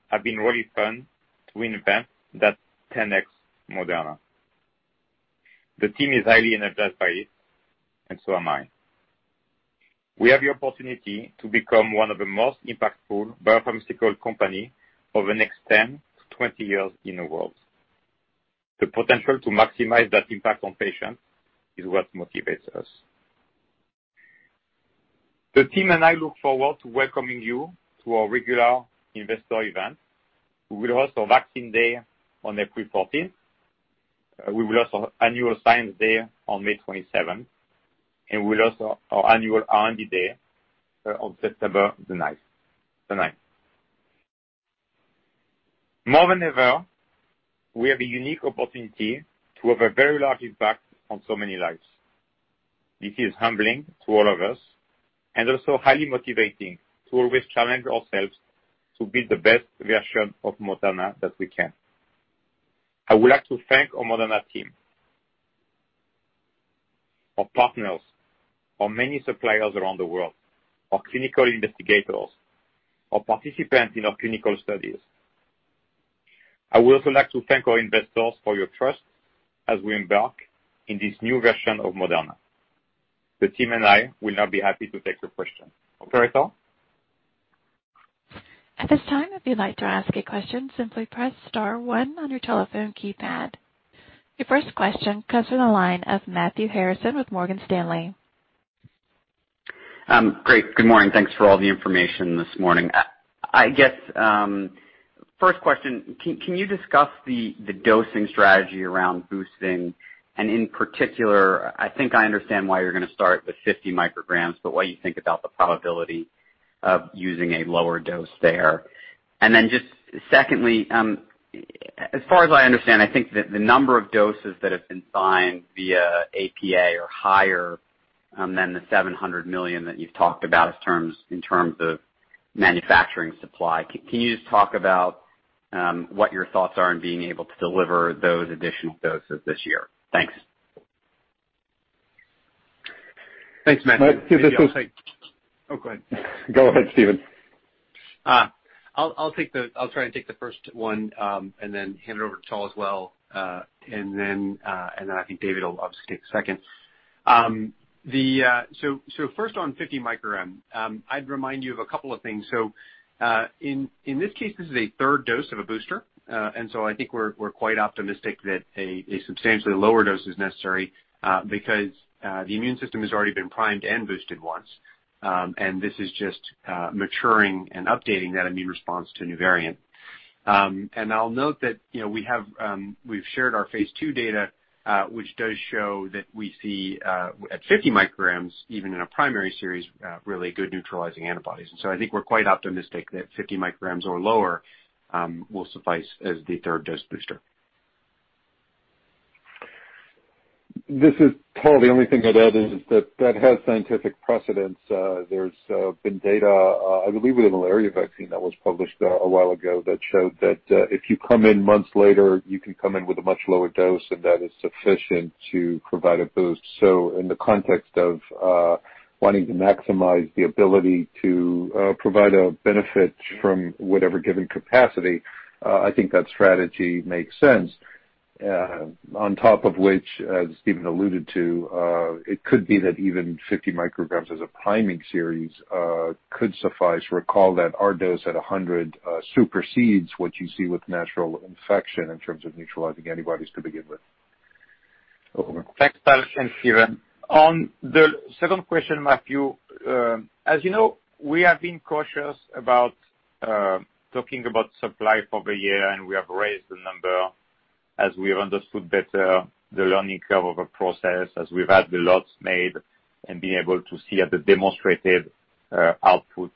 have been really fun to invent that 10x Moderna. The team is highly energized by it, so am I. We have the opportunity to become one of the most impactful biopharmaceutical company over the next 10 years-20 years in the world. The potential to maximize that impact on patients is what motivates us. The team and I look forward to welcoming you to our regular investor event. We will host our Vaccine Day on April 14th. We will host our annual Science Day on May 27th, we'll host our annual R&D Day on September 9th. More than ever, we have a unique opportunity to have a very large impact on so many lives. This is humbling to all of us and also highly motivating to always challenge ourselves to be the best version of Moderna that we can. I would like to thank our Moderna team, our partners, our many suppliers around the world, our clinical investigators, our participants in our clinical studies. I would also like to thank our investors for your trust as we embark on this new version of Moderna. The team and I will now be happy to take your questions. Operator? At this time, if you like to ask a question, simply press star one on your telephone keypad. Your first question comes from the line of Matthew Harrison with Morgan Stanley. Great. Good morning. Thanks for all the information this morning. I guess, first question, can you discuss the dosing strategy around boosting, and in particular, I think I understand why you're going to start with 50 mcg, but what you think about the probability of using a lower dose there. Then just secondly, as far as I understand, I think the number of doses that have been signed via APA are higher than the 700 million that you've talked about in terms of manufacturing supply. Can you just talk about what your thoughts are on being able to deliver those additional doses this year? Thanks. Thanks, Matthew. This is. Oh, go ahead. Go ahead, Stephen. I'll try and take the first one, and then hand it over to Tal as well, and then I think David will obviously take the second. First on 50 mcg, I'd remind you of a couple of things. In this case, this is a third dose of a booster. I think we're quite optimistic that a substantially lower dose is necessary, because, the immune system has already been primed and boosted once. This is just maturing and updating that immune response to a new variant. I'll note that we've shared our phase II data, which does show that we see at 50 mcg, even in a primary series, really good neutralizing antibodies. I think we're quite optimistic that 50 mcg or lower will suffice as the third dose booster. This is Tal. The only thing I'd add is that has scientific precedence. There's been data, I believe with a malaria vaccine that was published a while ago that showed that if you come in months later, you can come in with a much lower dose, and that is sufficient to provide a boost. In the context of wanting to maximize the ability to provide a benefit from whatever given capacity, I think that strategy makes sense. On top of which, as Stephen alluded to, it could be that even 50 mcg as a priming series could suffice. Recall that our dose at 100 supersedes what you see with natural infection in terms of neutralizing antibodies to begin with. Thanks, Tal, and Stephen. On the second question, Matthew, as you know, we have been cautious about talking about supply for the year, and we have raised the number as we have understood better the learning curve of a process, as we've had the lots made and being able to see the demonstrated outputs.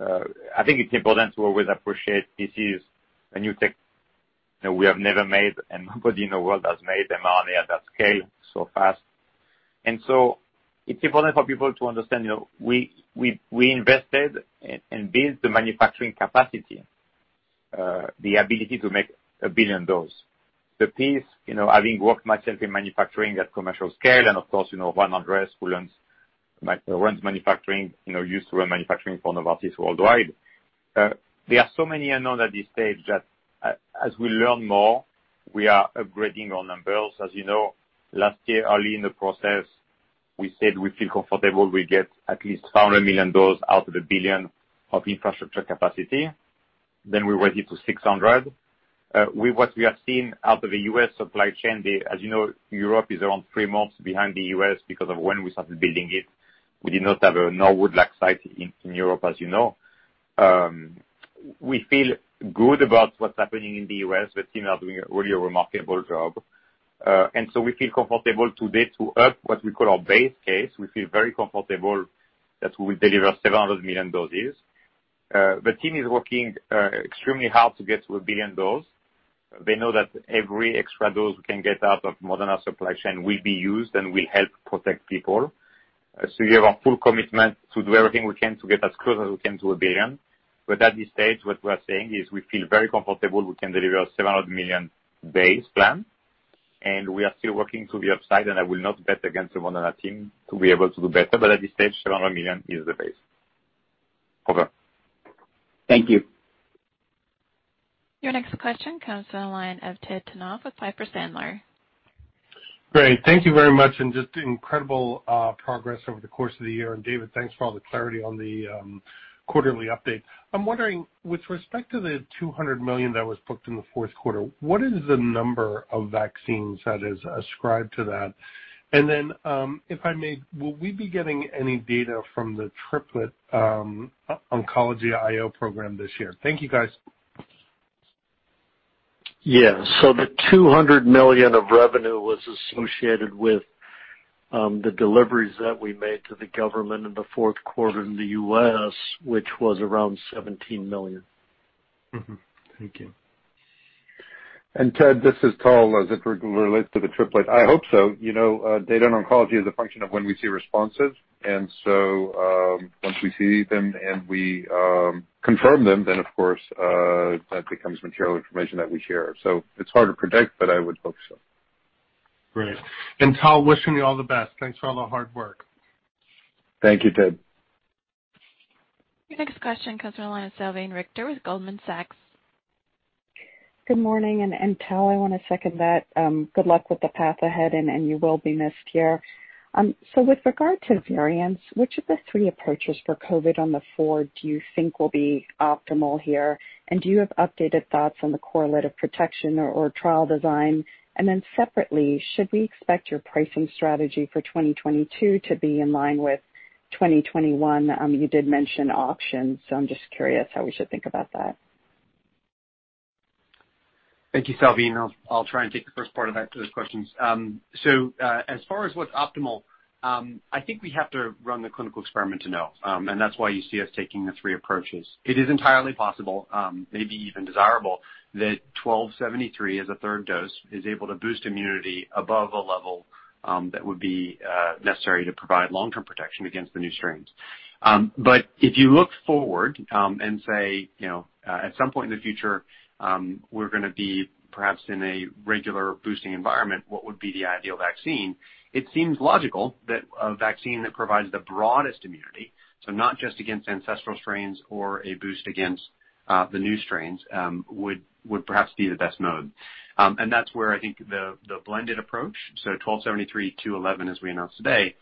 I think it's important to always appreciate this is a new tech that we have never made, and nobody in the world has made mRNA at that scale so fast. It's important for people to understand we invested and built the manufacturing capacity, the ability to make a billion dose. The piece, having worked myself in manufacturing at commercial scale, and of course, Juan Andres, who runs manufacturing, used to run manufacturing for Novartis Worldwide. There are so many unknowns at this stage that, as we learn more. We are upgrading our numbers. As you know, last year, early in the process, we said we feel comfortable we get at least 500 million out of a billion of infrastructure capacity. We raised it to 600. With what we have seen out of the U.S. supply chain, as you know, Europe is around three months behind the U.S. because of when we started building it. We did not have a Norwood-like site in Europe, as you know. We feel good about what's happening in the U.S. The team are doing a really remarkable job. We feel comfortable today to up what we call our base case. We feel very comfortable that we will deliver 700 million doses. The team is working extremely hard to get to one billion dose. They know that every extra dose we can get out of Moderna supply chain will be used and will help protect people. You have our full commitment to do everything we can to get as close as we can to $1 billion. At this stage, what we are saying is we feel very comfortable we can deliver $700 million base plan, and we are still working to the upside, and I will not bet against the Moderna team to be able to do better. At this stage, $700 million is the base. Over. Thank you. Your next question comes on the line of Ted Tenthoff with Piper Sandler. Great. Thank you very much. Just incredible progress over the course of the year. David, thanks for all the clarity on the quarterly update. I'm wondering, with respect to the $200 million that was booked in the fourth quarter, what is the number of vaccines that is ascribed to that? If I may, will we be getting any data from the triplet oncology I-O program this year? Thank you, guys. Yeah. The $200 million of revenue was associated with the deliveries that we made to the government in the fourth quarter in the U.S., which was around $17 million. Mm-hmm. Thank you. Ted, this is Tal. As it relates to the triplet, I hope so. Data on oncology is a function of when we see responses, once we see them and we confirm them, of course, that becomes material information that we share. It's hard to predict, but I would hope so. Great. Tal, wishing you all the best. Thanks for all the hard work. Thank you, Ted. Your next question comes on the line of Salveen Richter with Goldman Sachs. Good morning. Tal, I want to second that. Good luck with the path ahead, and you will be missed here. With regard to variants, which of the three approaches for COVID on the four do you think will be optimal here? Do you have updated thoughts on the correlate of protection or trial design? Then separately, should we expect your pricing strategy for 2022 to be in line with 2021? You did mention options, so I'm just curious how we should think about that. Thank you, Salveen. I'll try and take the first part of that to those questions. As far as what's optimal, I think we have to run the clinical experiment to know, and that's why you see us taking the three approaches. It is entirely possible, maybe even desirable, that mRNA-1273 as a third dose is able to boost immunity above a level that would be necessary to provide long-term protection against the new strains. If you look forward and say, at some point in the future, we're going to be perhaps in a regular boosting environment, what would be the ideal vaccine? It seems logical that a vaccine that provides the broadest immunity, so not just against ancestral strains or a boost against the new strains, would perhaps be the best mode. That's where I think the blended approach, so mRNA-1273.211, as we announced today,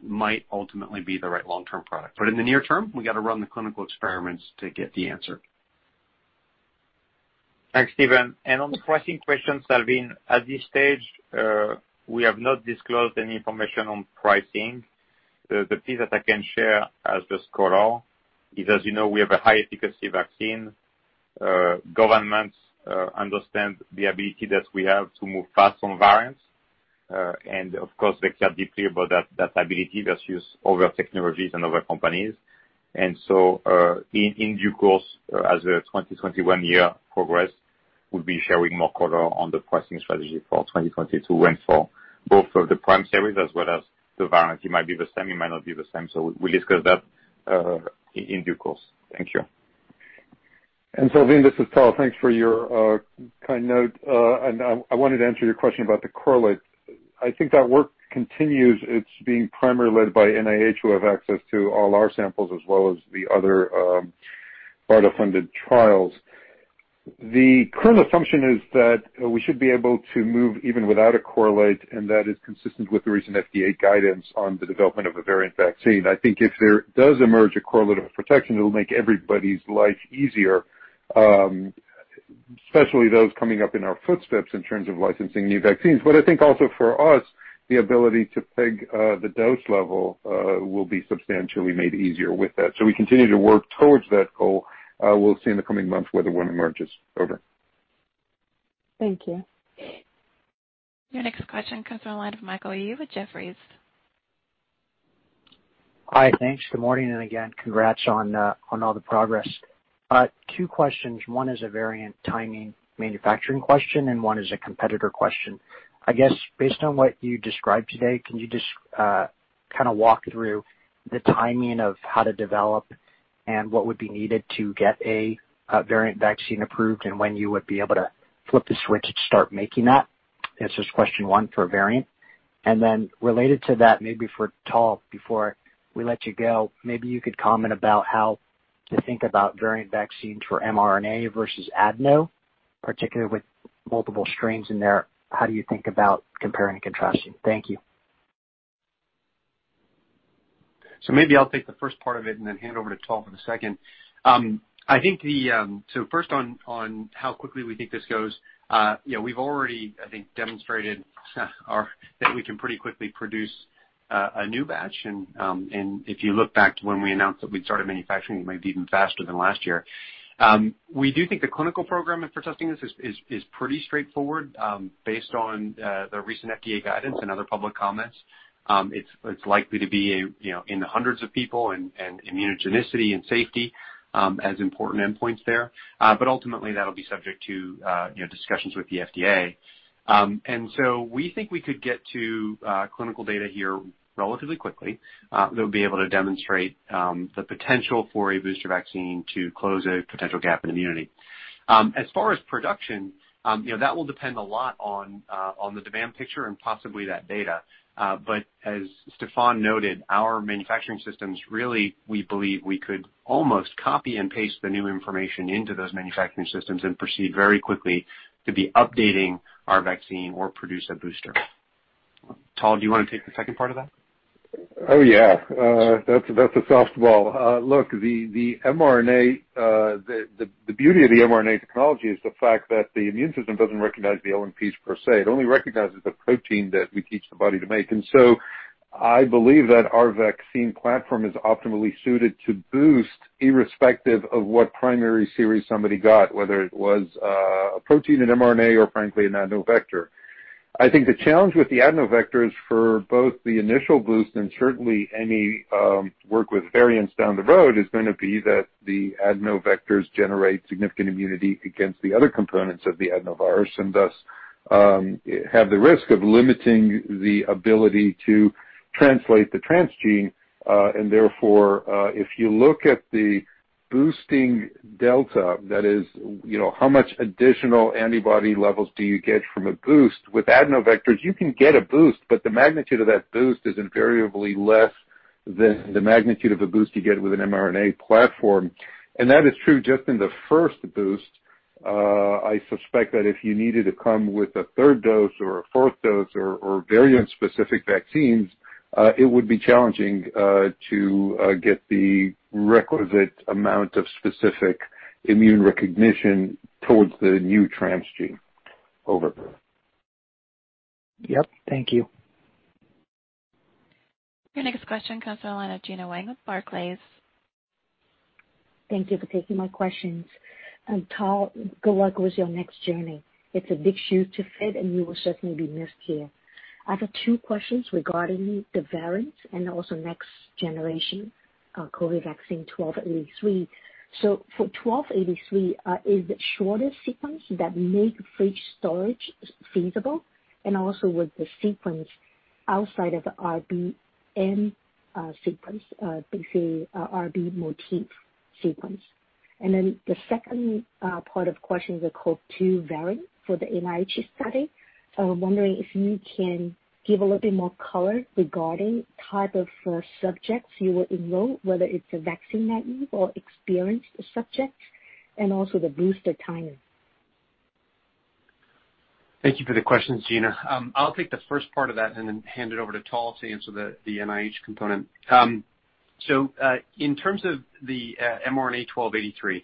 might ultimately be the right long-term product. In the near term, we got to run the clinical experiments to get the answer. Thanks, Stephen. On the pricing question, Salveen, at this stage, we have not disclosed any information on pricing. The piece that I can share as the core is, as you know, we have a high-efficacy vaccine. Governments understand the ability that we have to move fast on variants. Of course, they care deeply about that ability versus other technologies and other companies. In due course, as the 2021 year progress, we'll be sharing more color on the pricing strategy for 2022 and for both of the prime series as well as the variant. It might be the same, it might not be the same. We'll discuss that in due course. Thank you. Salveen, this is Tal. Thanks for your kind note. I wanted to answer your question about the correlate. I think that work continues. It's being primarily led by NIH, who have access to all our samples as well as the other BARDA-funded trials. The current assumption is that we should be able to move even without a correlate, and that is consistent with the recent FDA guidance on the development of a variant vaccine. I think if there does emerge a correlate of protection, it'll make everybody's life easier, especially those coming up in our footsteps in terms of licensing new vaccines. I think also for us, the ability to peg the dose level will be substantially made easier with that. We continue to work towards that goal. We'll see in the coming months whether one emerges. Over. Thank you. Your next question comes from the line of Michael Yee with Jefferies. Hi, thanks. Good morning, again, congrats on all the progress. Two questions. One is a variant timing manufacturing question, one is a competitor question. I guess based on what you described today, can you just walk through the timing of how to develop and what would be needed to get a variant vaccine approved and when you would be able to flip the switch to start making that? This is question one for variant. Related to that, maybe for Tal, before we let you go, maybe you could comment about how to think about variant vaccines for mRNA versus adeno, particularly with multiple strains in there. How do you think about comparing and contrasting? Thank you. Maybe I'll take the first part of it and then hand over to Tal for the second. First, on how quickly we think this goes. We've already, I think, demonstrated that we can pretty quickly produce a new batch. If you look back to when we announced that we'd started manufacturing, it might be even faster than last year. We do think the clinical program for testing this is pretty straightforward, based on the recent FDA guidance and other public comments. It's likely to be in the hundreds of people, and immunogenicity and safety as important endpoints there. Ultimately, that'll be subject to discussions with the FDA. We think we could get to clinical data here relatively quickly that'll be able to demonstrate the potential for a booster vaccine to close a potential gap in immunity. As far as production, that will depend a lot on the demand picture and possibly that data. As Stéphane noted, our manufacturing systems, really, we believe we could almost copy and paste the new information into those manufacturing systems and proceed very quickly to be updating our vaccine or produce a booster. Tal, do you want to take the second part of that? Oh, yeah. That's a softball. Look, the beauty of the mRNA technology is the fact that the immune system doesn't recognize the LNPs per se. It only recognizes the protein that we teach the body to make. I believe that our vaccine platform is optimally suited to boost irrespective of what primary series somebody got, whether it was a protein, an mRNA, or frankly, an adeno-vector. I think the challenge with the adeno vectors for both the initial boost and certainly any work with variants down the road is going to be that the adeno vectors generate significant immunity against the other components of the adenovirus, and thus have the risk of limiting the ability to translate the transgene. Therefore, if you look at the boosting delta, that is, how much additional antibody levels do you get from a boost with adeno-vectors, you can get a boost, but the magnitude of that boost is invariably less than the magnitude of a boost you get with an mRNA platform. That is true just in the first boost. I suspect that if you needed to come with a third dose or a fourth dose or variant-specific vaccines, it would be challenging to get the requisite amount of specific immune recognition towards the new transgene. Over. Yep. Thank you. Your next question comes on the line of Gena Wang with Barclays. Thank you for taking my questions. Tal, good luck with your next journey. It's a big shoe to fit, and you will certainly be missed here. I have two questions regarding the variants and also next generation COVID vaccine 1283. For 1283, is the shorter sequence that make fridge storage feasible? And also with the sequence outside of the RBM sequence, basically Receptor-Binding Motif sequence. The second part of question, the SARS-CoV-2 variant for the NIH study, I'm wondering if you can give a little bit more color regarding type of subjects you will enroll, whether it's a vaccine naive or experienced subjects, and also the booster timing. Thank you for the question, Gena. I'll take the first part of that and then hand it over to Tal to answer the NIH component. In terms of the mRNA-1283,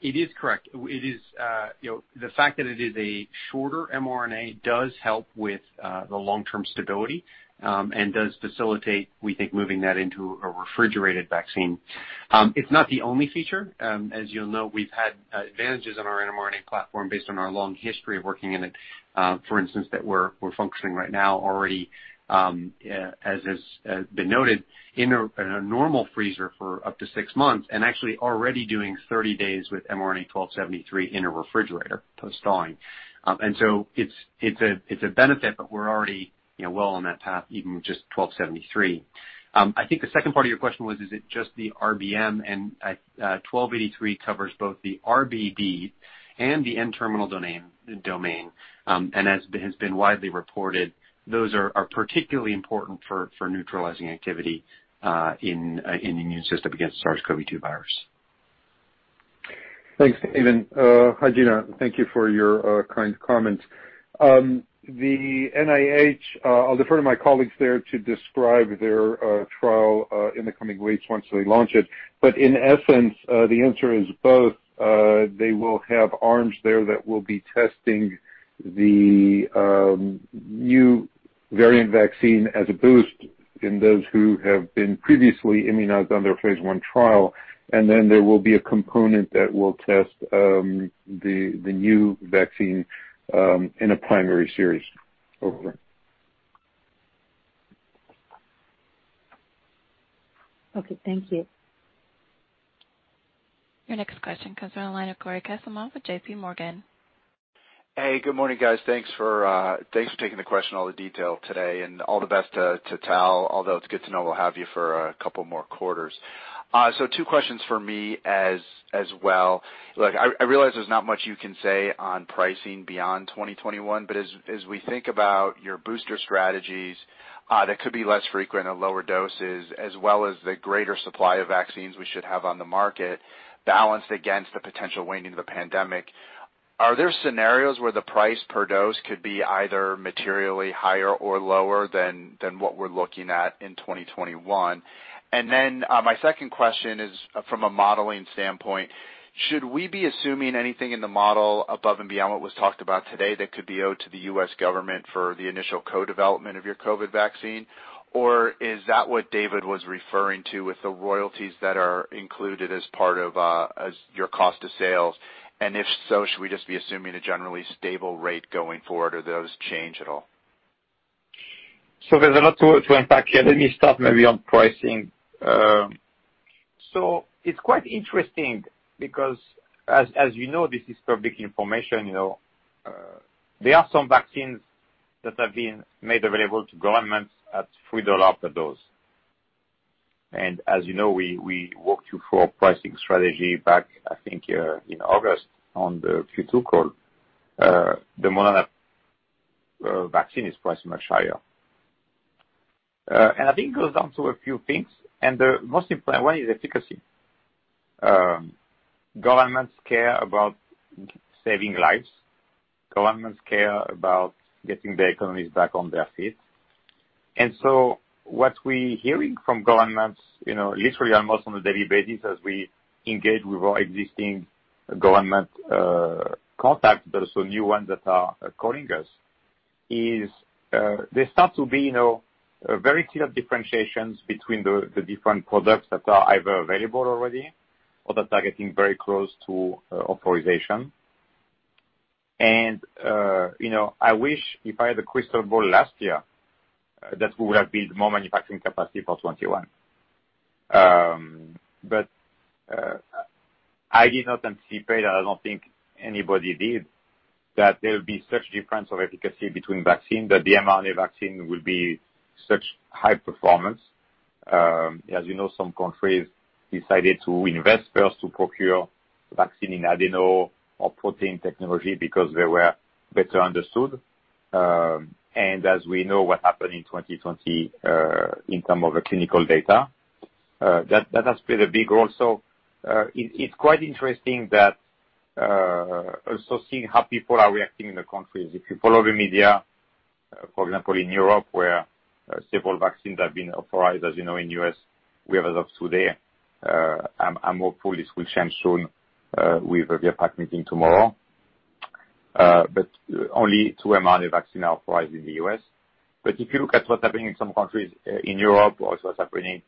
it is correct. The fact that it is a shorter mRNA does help with the long-term stability and does facilitate, we think, moving that into a refrigerated vaccine. It's not the only feature. As you'll know, we've had advantages on our mRNA platform based on our long history of working in it. For instance, that we're functioning right now already, as has been noted, in a normal freezer for up to six months, and actually already doing 30 days with mRNA-1273 in a refrigerator, post-thawing. It's a benefit, but we're already well on that path, even with just 1273. I think the second part of your question was, is it just the RBM? 1283 covers both the RBD and the N-terminal domain. As has been widely reported, those are particularly important for neutralizing activity in the immune system against SARS-CoV-2 virus. Thanks, Stephen. Hi, Gena. Thank you for your kind comments. The NIH, I'll defer to my colleagues there to describe their trial in the coming weeks once they launch it. In essence, the answer is both. They will have arms there that will be testing the new variant vaccine as a boost in those who have been previously immunized on their phase I trial, and then there will be a component that will test the new vaccine in a primary series. Over. Okay, thank you. Your next question comes on the line of Cory Kasimov with J.P. Morgan. Hey, good morning, guys. Thanks for taking the question, all the detail today, and all the best to Tal, although it's good to know we'll have you for a couple more quarters. Two questions for me as well. I realize there's not much you can say on pricing beyond 2021, but as we think about your booster strategies that could be less frequent or lower doses, as well as the greater supply of vaccines we should have on the market, balanced against the potential waning of the pandemic, are there scenarios where the price per dose could be either materially higher or lower than what we're looking at in 2021? My second question is from a modeling standpoint, should we be assuming anything in the model above and beyond what was talked about today, that could be owed to the U.S. government for the initial co-development of your COVID vaccine? Is that what David was referring to with the royalties that are included as part of your cost of sales? If so, should we just be assuming a generally stable rate going forward, or do those change at all? There's a lot to unpack here. Let me start maybe on pricing. It's quite interesting because, as you know, this is public information. There are some vaccines that have been made available to governments at $3 a dose. As you know, we walked you through our pricing strategy back, I think, in August on the Q2 call. The Moderna vaccine is priced much higher. I think it goes down to a few things, and the most important one is efficacy. Governments care about saving lives. Governments care about getting their economies back on their feet. What we're hearing from governments, literally almost on a daily basis as we engage with our existing government contacts, but also new ones that are calling us, is there starts to be very clear differentiations between the different products that are either available already or that are getting very close to authorization. I wish, if I had a crystal ball last year, that we would have built more manufacturing capacity for 2021. I did not anticipate, and I don't think anybody did, that there would be such difference of efficacy between vaccines. That the mRNA vaccine would be such high performance. As you know, some countries decided to invest first to procure vaccine in adeno or protein technology because they were better understood. As we know, what happened in 2020 in terms of the clinical data, that has played a big role. It's quite interesting also seeing how people are reacting in the countries. If you follow the media, for example, in Europe, where several vaccines have been authorized. As you know, in the U.S., we have, as of today, and hopefully this will change soon, we have a VRBPAC meeting tomorrow, but only two mRNA vaccines are authorized in the U.S. If you look at what's happening in some countries in Europe or also what's happening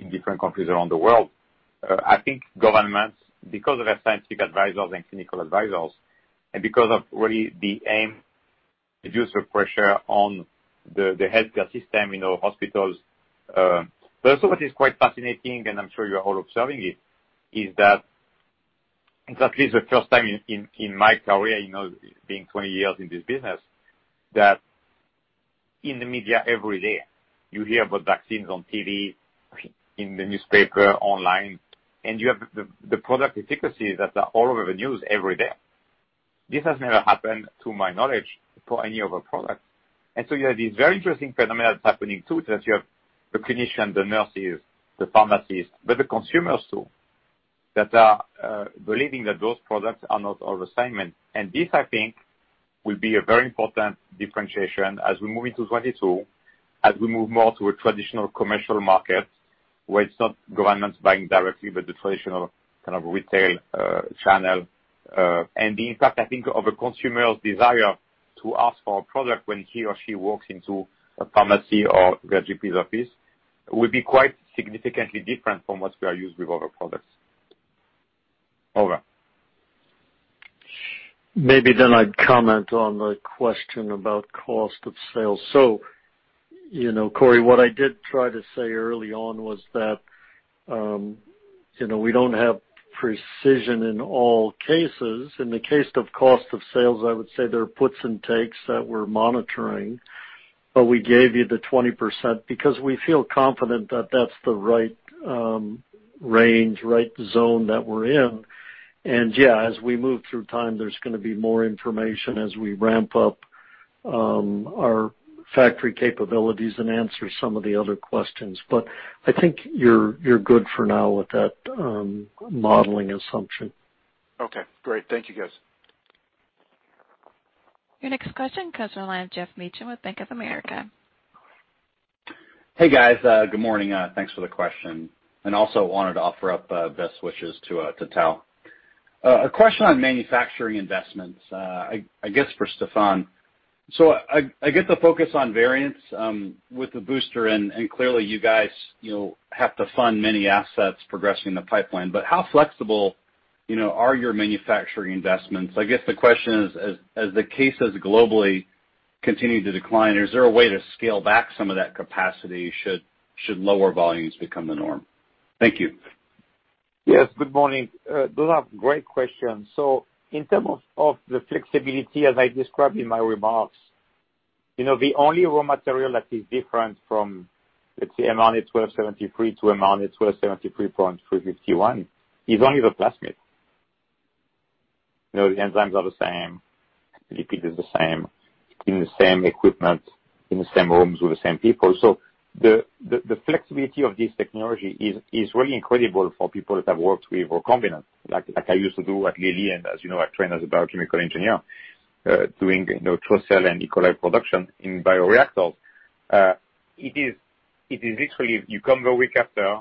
in different countries around the world, I think governments, because of their scientific advisors and clinical advisors, and because of really the aim to reduce the pressure on the healthcare system in our hospitals. Also, what is quite fascinating, and I'm sure you're all observing it, is that this is the first time in my career, being 20 years in this business, that in the media every day, you hear about vaccines on TV, in the newspaper, online, and you have the product efficacy that are all over the news every day. This has never happened, to my knowledge, for any other product. So you have this very interesting phenomenon that's happening too, that you have the clinicians, the nurses, the pharmacies, but the consumers, too, that are believing that those products are not all the same. This, I think, will be a very important differentiation as we move into 2022, as we move more to a traditional commercial market where it's not governments buying directly, but the traditional kind of retail channel. In fact, I think of a consumer's desire to ask for a product when he or she walks into a pharmacy or their GP's office, will be quite significantly different from what we are used with other products. Maybe I'd comment on the question about cost of sale. Cory, what I did try to say early on was that we don't have precision in all cases. In the case of cost of sales, I would say there are puts and takes that we're monitoring. We gave you the 20% because we feel confident that that's the right range, right zone that we're in. Yeah, as we move through time, there's going to be more information as we ramp up our factory capabilities and answer some of the other questions. I think you're good for now with that modeling assumption. Okay, great. Thank you, guys. Your next question comes on the line, Geoff Meacham with Bank of America. Hey, guys. Good morning. Thanks for the question, and also wanted to offer up best wishes to Tal. A question on manufacturing investments, I guess for Stéphane. I get the focus on variants with the booster, and clearly, you guys have to fund many assets progressing the pipeline. How flexible are your manufacturing investments? I guess the question is, as the cases globally continue to decline, is there a way to scale back some of that capacity should lower volumes become the norm? Thank you. Yes, good morning. Those are great questions. In terms of the flexibility, as I described in my remarks. The only raw material that is different from, let's say, mRNA-1273 to mRNA-1273.351 is only the plasmid. The enzymes are the same, the repeat is the same, in the same equipment, in the same rooms with the same people. The flexibility of this technology is really incredible for people that have worked with recombinant, like I used to do at Lilly and as you know, I trained as a biochemical engineer, doing CHO cell and E. coli production in bioreactors. It is literally, you come the week after,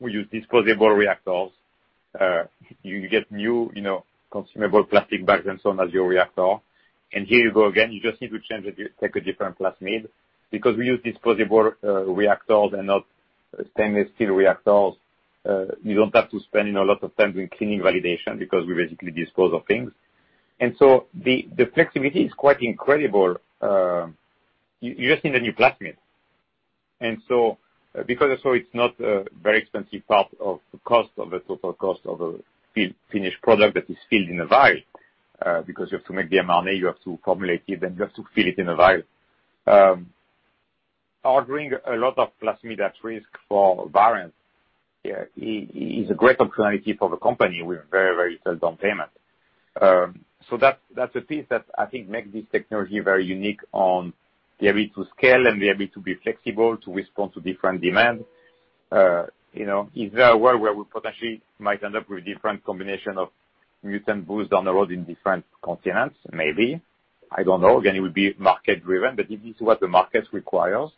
we use disposable reactors, you get new consumable plastic bags and so on as your reactor. Here you go again. You just need to take a different plasmid. Because we use disposable reactors and not stainless steel reactors, we don't have to spend a lot of time doing cleaning validation because we basically dispose of things. The flexibility is quite incredible. You just need a new plasmid. Because also it's not a very expensive part of the total cost of a finished product that is filled in a vial, because you have to make the mRNA, you have to formulate it, then you have to fill it in a vial. Ordering a lot of plasmid at risk for variants is a great opportunity for the company with very seldom payment. That's a piece that I think makes this technology very unique on the ability to scale and the ability to be flexible to respond to different demands. Is there a world where we potentially might end up with different combination of mutant boosts down the road in different continents? Maybe. I don't know. Again, it would be market-driven, but if this is what the market requires,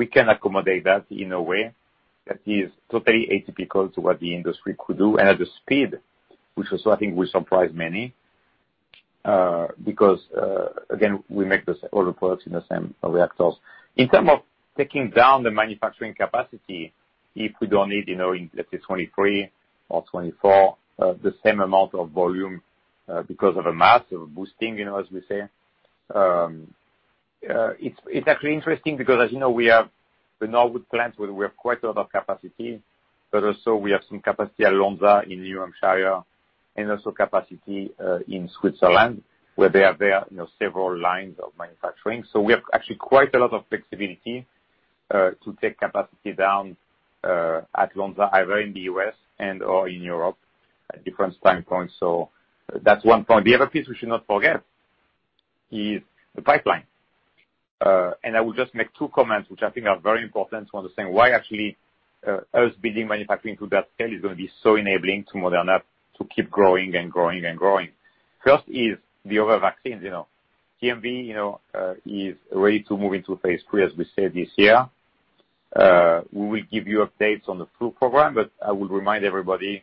we can accommodate that in a way that is totally atypical to what the industry could do, and at the speed, which also I think will surprise many, because, again, we make all the products in the same reactors. In terms of taking down the manufacturing capacity, if we don't need, let's say, 2023 or 2024, the same amount of volume, because of a mass of a boosting, as we say. It's actually interesting because as you know, we have the Norwood plant where we have quite a lot of capacity, but also we have some capacity at Lonza in New Hampshire, and also capacity in Switzerland, where they have several lines of manufacturing. We have actually quite a lot of flexibility to take capacity down at Lonza, either in the U.S. and/or in Europe at different time points. That's one point. The other piece we should not forget is the pipeline. I will just make two comments, which I think are very important to understand why actually us building manufacturing to that scale is going to be so enabling to Moderna to keep growing and growing. First is the other vaccines. CMV is ready to move into phase III, as we said, this year. We will give you updates on the flu program, but I will remind everybody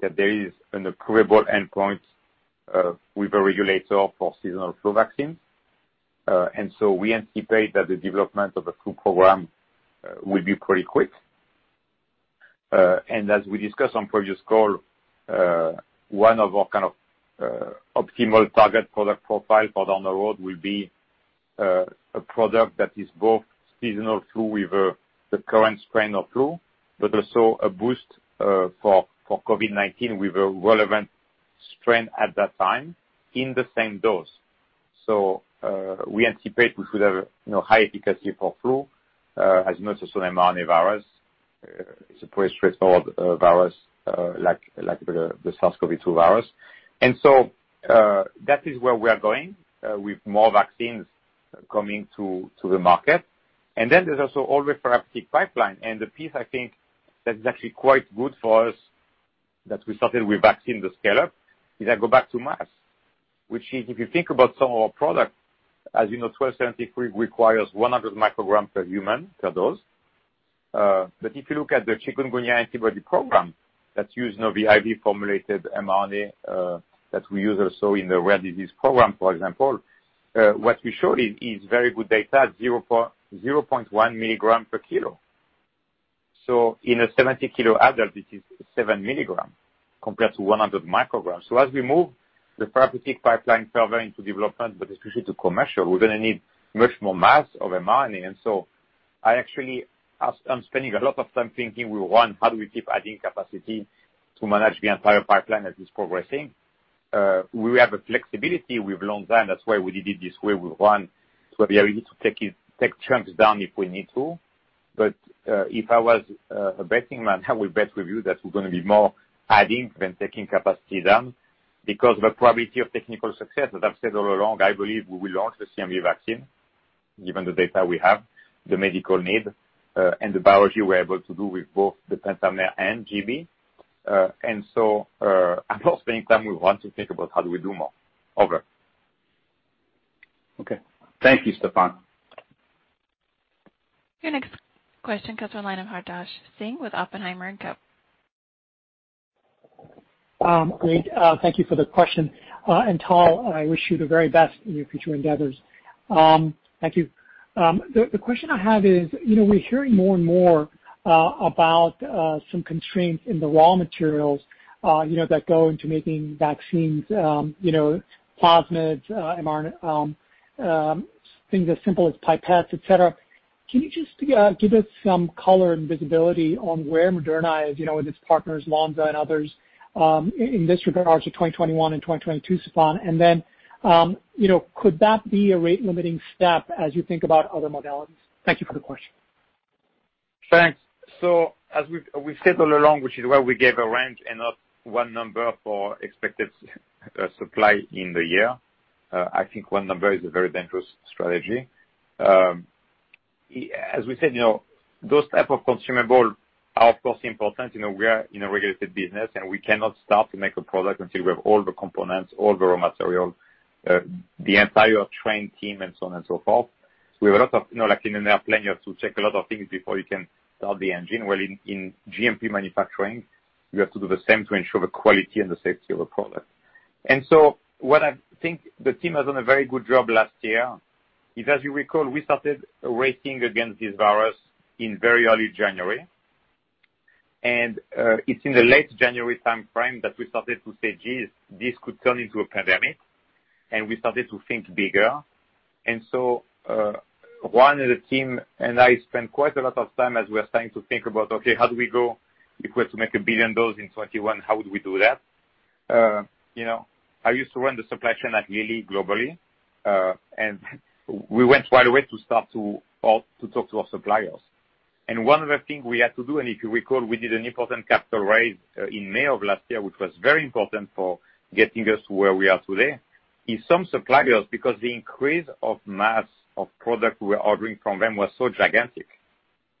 that there is an approvable endpoint with the regulator for seasonal flu vaccines. We anticipate that the development of a flu program will be pretty quick. As we discussed on previous call, one of our optimal target product profile further on the road will be a product that is both seasonal flu with the current strain of flu, but also a boost for COVID-19 with a relevant strain at that time in the same dose. We anticipate we should have high efficacy for flu as much as an mRNA virus. It's a pretty straightforward virus, like the SARS-CoV-2 virus. That is where we are going with more vaccines coming to the market. There's also all therapeutic pipeline. The piece I think that's actually quite good for us that we started with vaccine to scale up is I go back to mass, which if you think about some of our products, as you know, mRNA-1273 requires 100 mcg per human, per dose. If you look at the Chikungunya antibody program that's using the IV formulated mRNA that we use also in the rare disease program, for example, what we showed is very good data at 0.1 mg/kg. In a 70 kg adult, it is 7 mg compared to 100 mcg. As we move the therapeutic pipeline further into development, but especially to commercial, we're going to need much more mass of mRNA. I actually am spending a lot of time thinking with Juan, how do we keep adding capacity to manage the entire pipeline as it's progressing? We have a flexibility with Lonza, and that's why we did it this way with one, so we are ready to take chunks down if we need to. If I was a betting man, I will bet with you that we're going to be more adding than taking capacity down because the probability of technical success, as I've said all along, I believe we will launch the CMV vaccine, given the data we have, the medical need, and the biology we're able to do with both the pentamer and gB. At the same time, we want to think about how do we do more. Over. Okay. Thank you, Stéphane. Your next question comes from the line of Hartaj Singh with Oppenheimer & Co. Great. Thank you for the question. Tal, I wish you the very best in your future endeavors. Thank you. The question I have is, we're hearing more and more about some constraints in the raw materials that go into making vaccines, plasmids, mRNA, things as simple as pipettes, et cetera. Can you just give us some color and visibility on where Moderna is, with its partners, Lonza and others, in this regard to 2021 and 2022, Stéphane? Could that be a rate-limiting step as you think about other modalities? Thank you for the question. Thanks. As we've said all along, which is why we gave a range and not one number for expected supply in the year. I think one number is a very dangerous strategy. As we said, those type of consumable are, of course, important. We are in a regulated business. We cannot start to make a product until we have all the components, all the raw materials, the entire trained team, and so on and so forth. We have a lot of, like in an airplane, you have to check a lot of things before you can start the engine. Well, in GMP manufacturing, we have to do the same to ensure the quality and the safety of a product. What I think the team has done a very good job last year is, as you recall, we started racing against this virus in very early January. It's in the late January timeframe that we started to say, "Geez, this could turn into a pandemic," and we started to think bigger. One, the team and I spent quite a lot of time as we were starting to think about, okay, how do we go if we are to make one billion dose in 2021? How would we do that? I used to run the supply chain at Lilly globally. We went right away to start to talk to our suppliers. One of the things we had to do, and if you recall, we did an important capital raise in May of last year, which was very important for getting us to where we are today. In some suppliers, because the increase of mass of product we were ordering from them was so gigantic,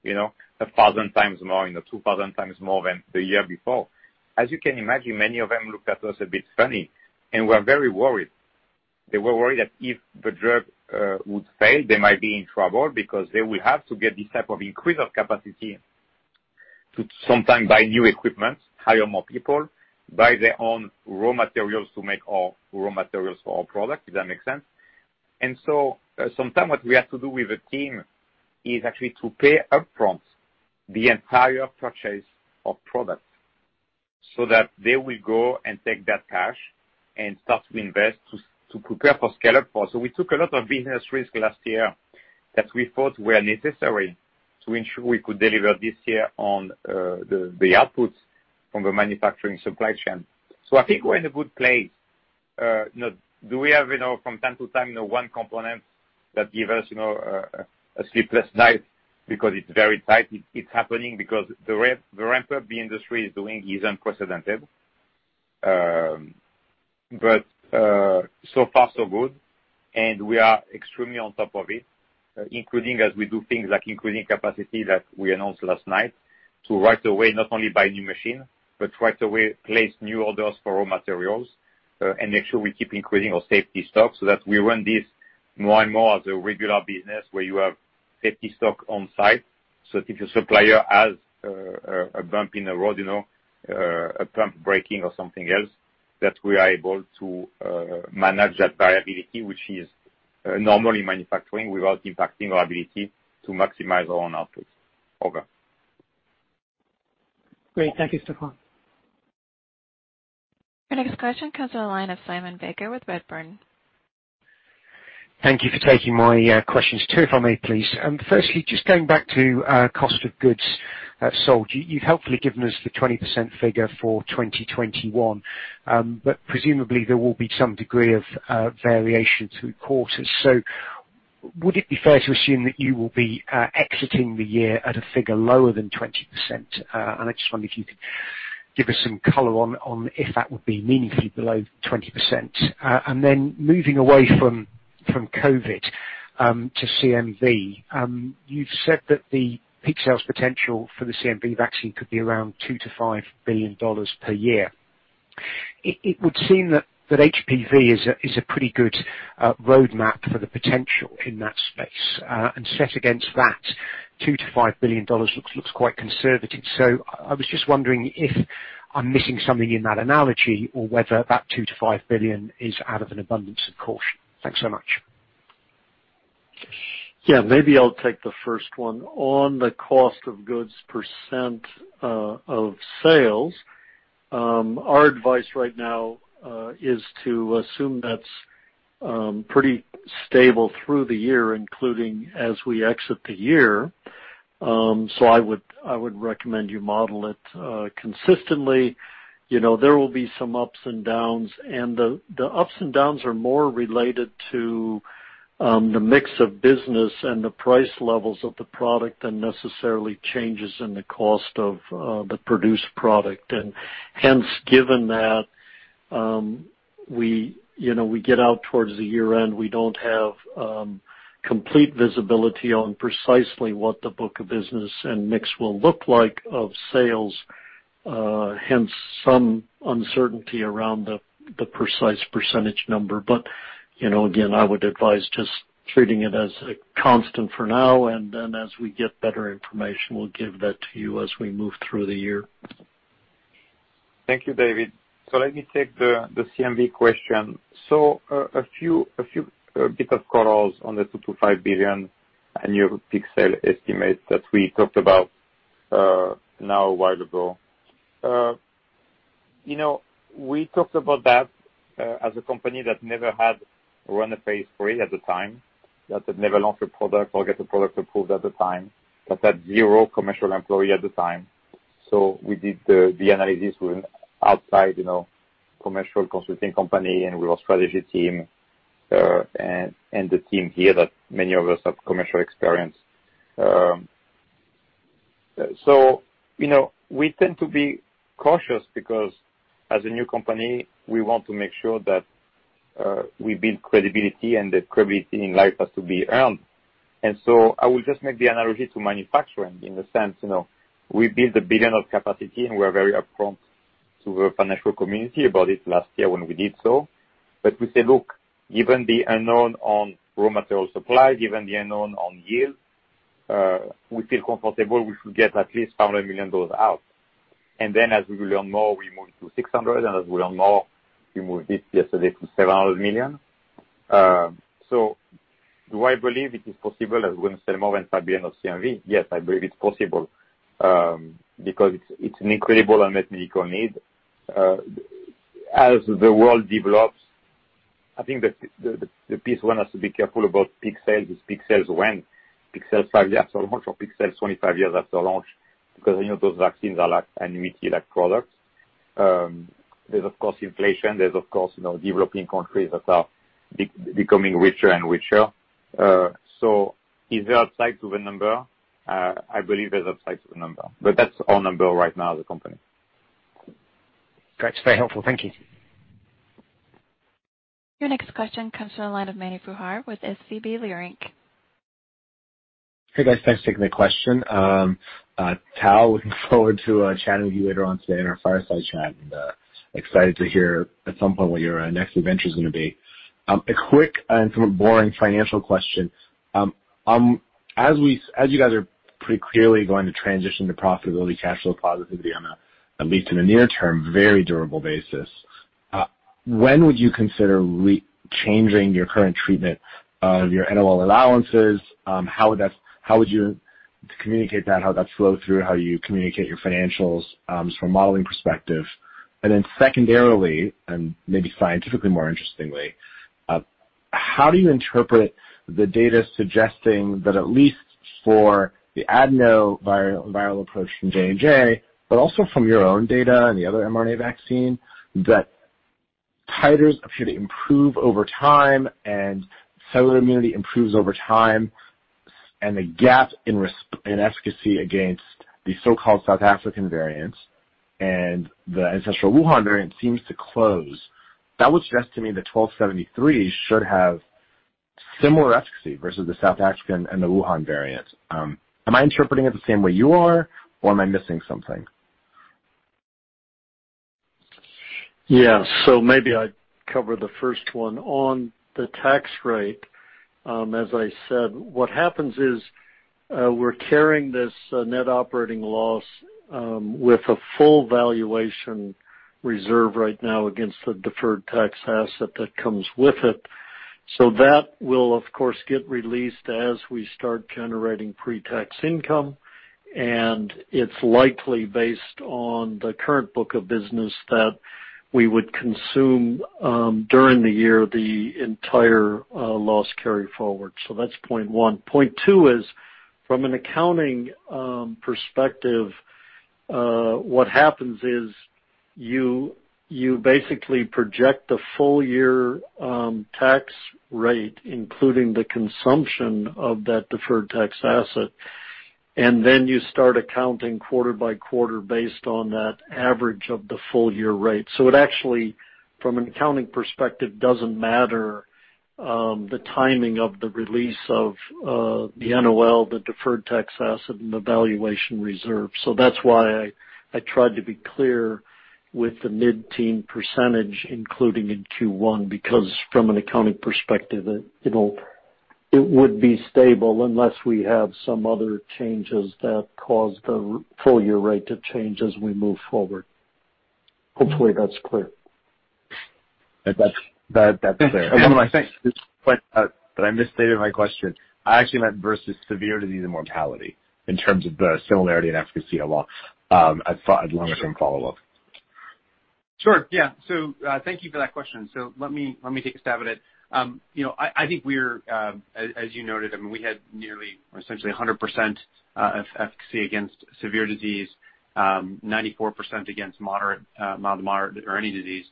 1,000 times more, 2,000 times more than the year before. As you can imagine, many of them looked at us a bit funny and were very worried. They were worried that if the drug would fail, they might be in trouble because they will have to get this type of increase of capacity to sometimes buy new equipment, hire more people, buy their own raw materials to make our raw materials for our product. Does that make sense? Sometimes what we have to do with the team is actually to pay upfront the entire purchase of product so that they will go and take that cash and start to invest to prepare for scale-up for us. We took a lot of business risk last year that we thought were necessary to ensure we could deliver this year on the outputs from the manufacturing supply chain. I think we're in a good place. Do we have, from time to time, one component that give us a sleepless night because it's very tight? It's happening because the ramp-up the industry is doing is unprecedented. So far so good, and we are extremely on top of it, including as we do things like increasing capacity that we announced last night to right away not only buy a new machine, but right away place new orders for raw materials, and make sure we keep increasing our safety stock so that we run this more and more as a regular business where you have safety stock on site. If your supplier has a bump in the road, a pump breaking or something else, that we are able to manage that variability, which is normally manufacturing without impacting our ability to maximize our own outputs. Over. Great. Thank you, Stéphane. Our next question comes on the line of Simon Baker with Redburn. Thank you for taking my questions. Two, if I may, please. Firstly, just going back to cost of goods sold. You've helpfully given us the 20% figure for 2021. Presumably, there will be some degree of variation through quarters. Would it be fair to assume that you will be exiting the year at a figure lower than 20%? I just wonder if you could give us some color on if that would be meaningfully below 20%. Moving away from COVID, to CMV. You've said that the peak sales potential for the CMV vaccine could be around $2 billion-$5 billion per year. It would seem that HPV is a pretty good roadmap for the potential in that space. Set against that, $2 billion-$5 billion looks quite conservative. I was just wondering if I'm missing something in that analogy or whether that $2 billion-$5 billion is out of an abundance of caution. Thanks so much. Yeah. Maybe I'll take the first one. On the cost of goods percent of sales, our advice right now, is to assume that's pretty stable through the year, including as we exit the year. I would recommend you model it consistently. There will be some ups and downs, and the ups and downs are more related to the mix of business and the price levels of the product than necessarily changes in the cost of the produced product. Hence, given that we get out towards the year-end, we don't have complete visibility on precisely what the book of business and mix will look like of sales, hence some uncertainty around the precise percentage number. Again, I would advise just treating it as a constant for now, and then as we get better information, we'll give that to you as we move through the year. Thank you, David. Let me take the CMV question. A few bit of colors on the $2 billion-$5 billion annual peak sale estimate that we talked about, now a while ago. We talked about that as a company that never had run a phase III at the time, that had never launched a product or get the product approved at the time, that had zero commercial employee at the time. We did the analysis with an outside commercial consulting company, and we were strategy team, and the team here that many of us have commercial experience. We tend to be cautious because as a new company, we want to make sure that we build credibility and that credibility in life has to be earned. I will just make the analogy to manufacturing in the sense, we build $1 billion of capacity, and we're very upfront to the financial community about it last year when we did so. We say, look, given the unknown on raw material supply, given the unknown on yield, we feel comfortable we should get at least $500 million out. As we will learn more, we moved to $600 million, and as we learn more, we moved it yesterday to $700 million. Do I believe it is possible that we're going to sell more than $5 billion of CMV? Yes, I believe it's possible, because it's an incredible unmet medical need. As the world develops, I think the piece one has to be careful about peak sales is peak sales when. Peak sales five years or multiple peak sales 25 years after launch, because those vaccines are like annuity-like products. There's, of course, inflation, there's, of course, developing countries that are becoming richer and richer. Is there upside to the number? I believe there's upside to the number. That's our number right now as a company. Great. It's very helpful. Thank you. Your next question comes from the line of Mani Foroohar with SVB Leerink. Hey, guys. Thanks for taking the question. Tal, looking forward to chatting with you later on today in our fireside chat, and excited to hear at some point what your next adventure's going to be. A quick and sort of boring financial question. As you guys are pretty clearly going to transition to profitability, cash flow positivity on a, at least in the near term, very durable basis, when would you consider changing your current treatment of your NOL allowances? How would you communicate that, how that'd flow through, how you communicate your financials from a modeling perspective? Secondarily, and maybe scientifically more interestingly, how do you interpret the data suggesting that at least for the adenoviral approach from J&J, but also from your own data and the other mRNA vaccine, that titers appear to improve over time and cellular immunity improves over time, and the gap in efficacy against the so-called South African variant and the ancestral Wuhan variant seems to close. That would suggest to me that mRNA-1273 should have similar efficacy versus the South African and the Wuhan variant. Am I interpreting it the same way you are, or am I missing something? Yeah. Maybe I cover the first one. On the tax rate, as I said, what happens is, we're carrying this net operating loss with a full valuation reserve right now against the deferred tax asset that comes with it. That will, of course, get released as we start generating pre-tax income. It's likely based on the current book of business that we would consume, during the year, the entire loss carry-forward. That's point one. Point two is, from an accounting perspective, what happens is you basically project the full year tax rate, including the consumption of that deferred tax asset, and then you start accounting quarter by quarter based on that average of the full year rate. It actually, from an accounting perspective, doesn't matter the timing of the release of the NOL, the deferred tax asset, and the valuation reserve. That's why I tried to be clear with the mid-teen percentage, including in Q1, because from an accounting perspective, it would be stable unless we have some other changes that cause the full year rate to change as we move forward. Hopefully, that's clear. That's clear. One more thing. I misstated my question. I actually meant versus severity of disease and mortality in terms of the similarity in efficacy along. I thought I'd long-term follow-up. Sure. Yeah. Thank you for that question. Let me take a stab at it. I think we're, as you noted, I mean, we had nearly or essentially 100% efficacy against severe disease, 94% against mild, moderate, or any disease.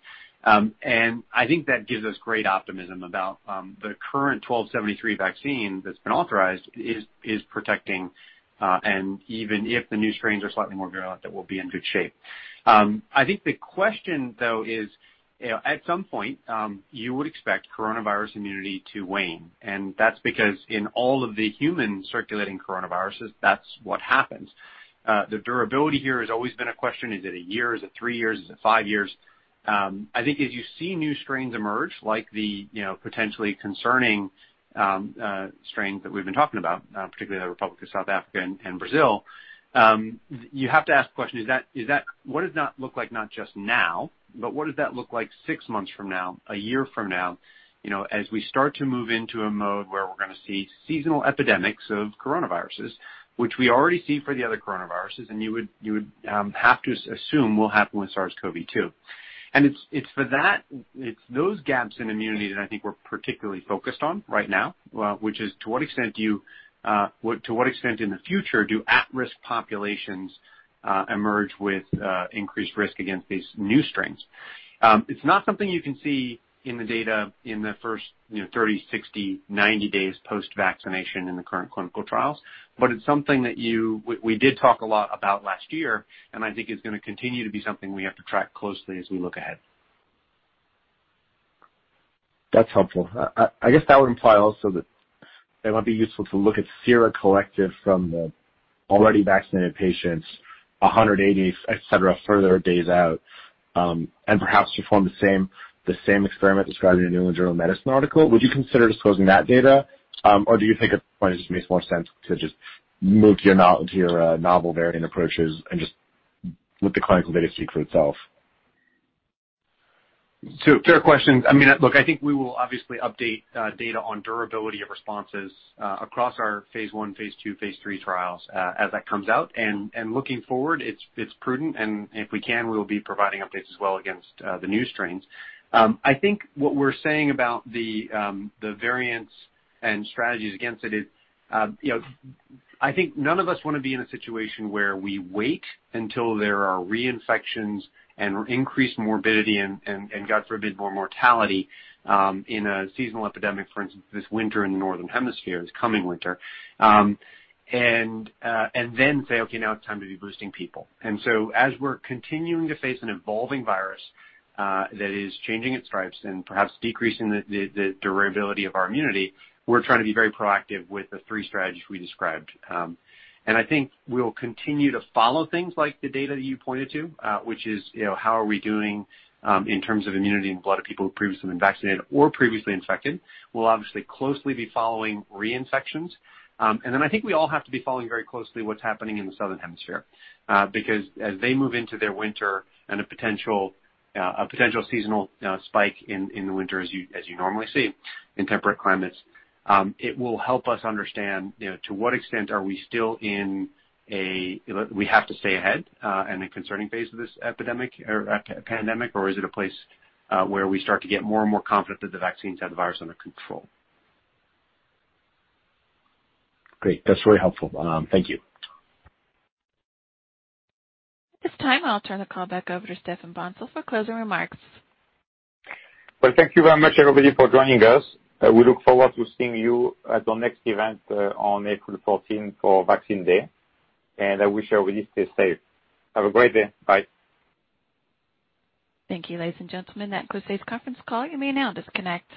I think that gives us great optimism about the current 1273 vaccine that's been authorized is protecting, and even if the new strains are slightly more virulent, that we'll be in good shape. I think the question, though, is at some point, you would expect coronavirus immunity to wane, and that's because in all of the human circulating coronaviruses, that's what happens. The durability here has always been a question. Is it a year? Is it three years? Is it five years? I think as you see new strains emerge, like the potentially concerning strains that we've been talking about, particularly in the Republic of South Africa and Brazil, you have to ask the question, what does that look like not just now, but what does that look like six months from now, a year from now, as we start to move into a mode where we're going to see seasonal epidemics of coronaviruses, which we already see for the other coronaviruses, and you would have to assume will happen with SARS-CoV-2. It's those gaps in immunity that I think we're particularly focused on right now, which is to what extent in the future do at-risk populations emerge with increased risk against these new strains? It's not something you can see in the data in the first 30, 60, 90 days post-vaccination in the current clinical trials, but it's something that we did talk a lot about last year, and I think is going to continue to be something we have to track closely as we look ahead. That's helpful. I guess that would imply also that it might be useful to look at sera collected from the already vaccinated patients, 180, et cetera, further days out, and perhaps perform the same experiment described in the New England Journal of Medicine article. Would you consider disclosing that data? Or do you think at this point it just makes more sense to just move to your novel variant approaches and just let the clinical data speak for itself? Fair question. Look, I think we will obviously update data on durability of responses across our phase I, phase II, phase III trials as that comes out. Looking forward, it's prudent, and if we can, we will be providing updates as well against the new strains. I think what we're saying about the variants and strategies against it is, I think none of us want to be in a situation where we wait until there are reinfections and increased morbidity and, God forbid, more mortality in a seasonal epidemic, for instance, this winter in the Northern Hemisphere, this coming winter. Then say, "Okay, now it's time to be boosting people." As we're continuing to face an evolving virus that is changing its stripes and perhaps decreasing the durability of our immunity, we're trying to be very proactive with the three strategies we described. I think we'll continue to follow things like the data you pointed to, which is how are we doing in terms of immunity in the blood of people who previously been vaccinated or previously infected. We'll obviously closely be following reinfections. Then I think we all have to be following very closely what's happening in the Southern Hemisphere. As they move into their winter and a potential seasonal spike in the winter as you normally see in temperate climates, it will help us understand to what extent are we still in a we have to stay ahead and a concerning phase of this pandemic or is it a place where we start to get more and more confident that the vaccines have the virus under control. Great. That's really helpful. Thank you. At this time, I'll turn the call back over to Stéphane Bancel for closing remarks. Well, thank you very much, everybody, for joining us. We look forward to seeing you at our next event on April 14 for Vaccine Day. I wish everybody to stay safe. Have a great day. Bye. Thank you, ladies and gentlemen. That concludes today's conference call. You may now disconnect.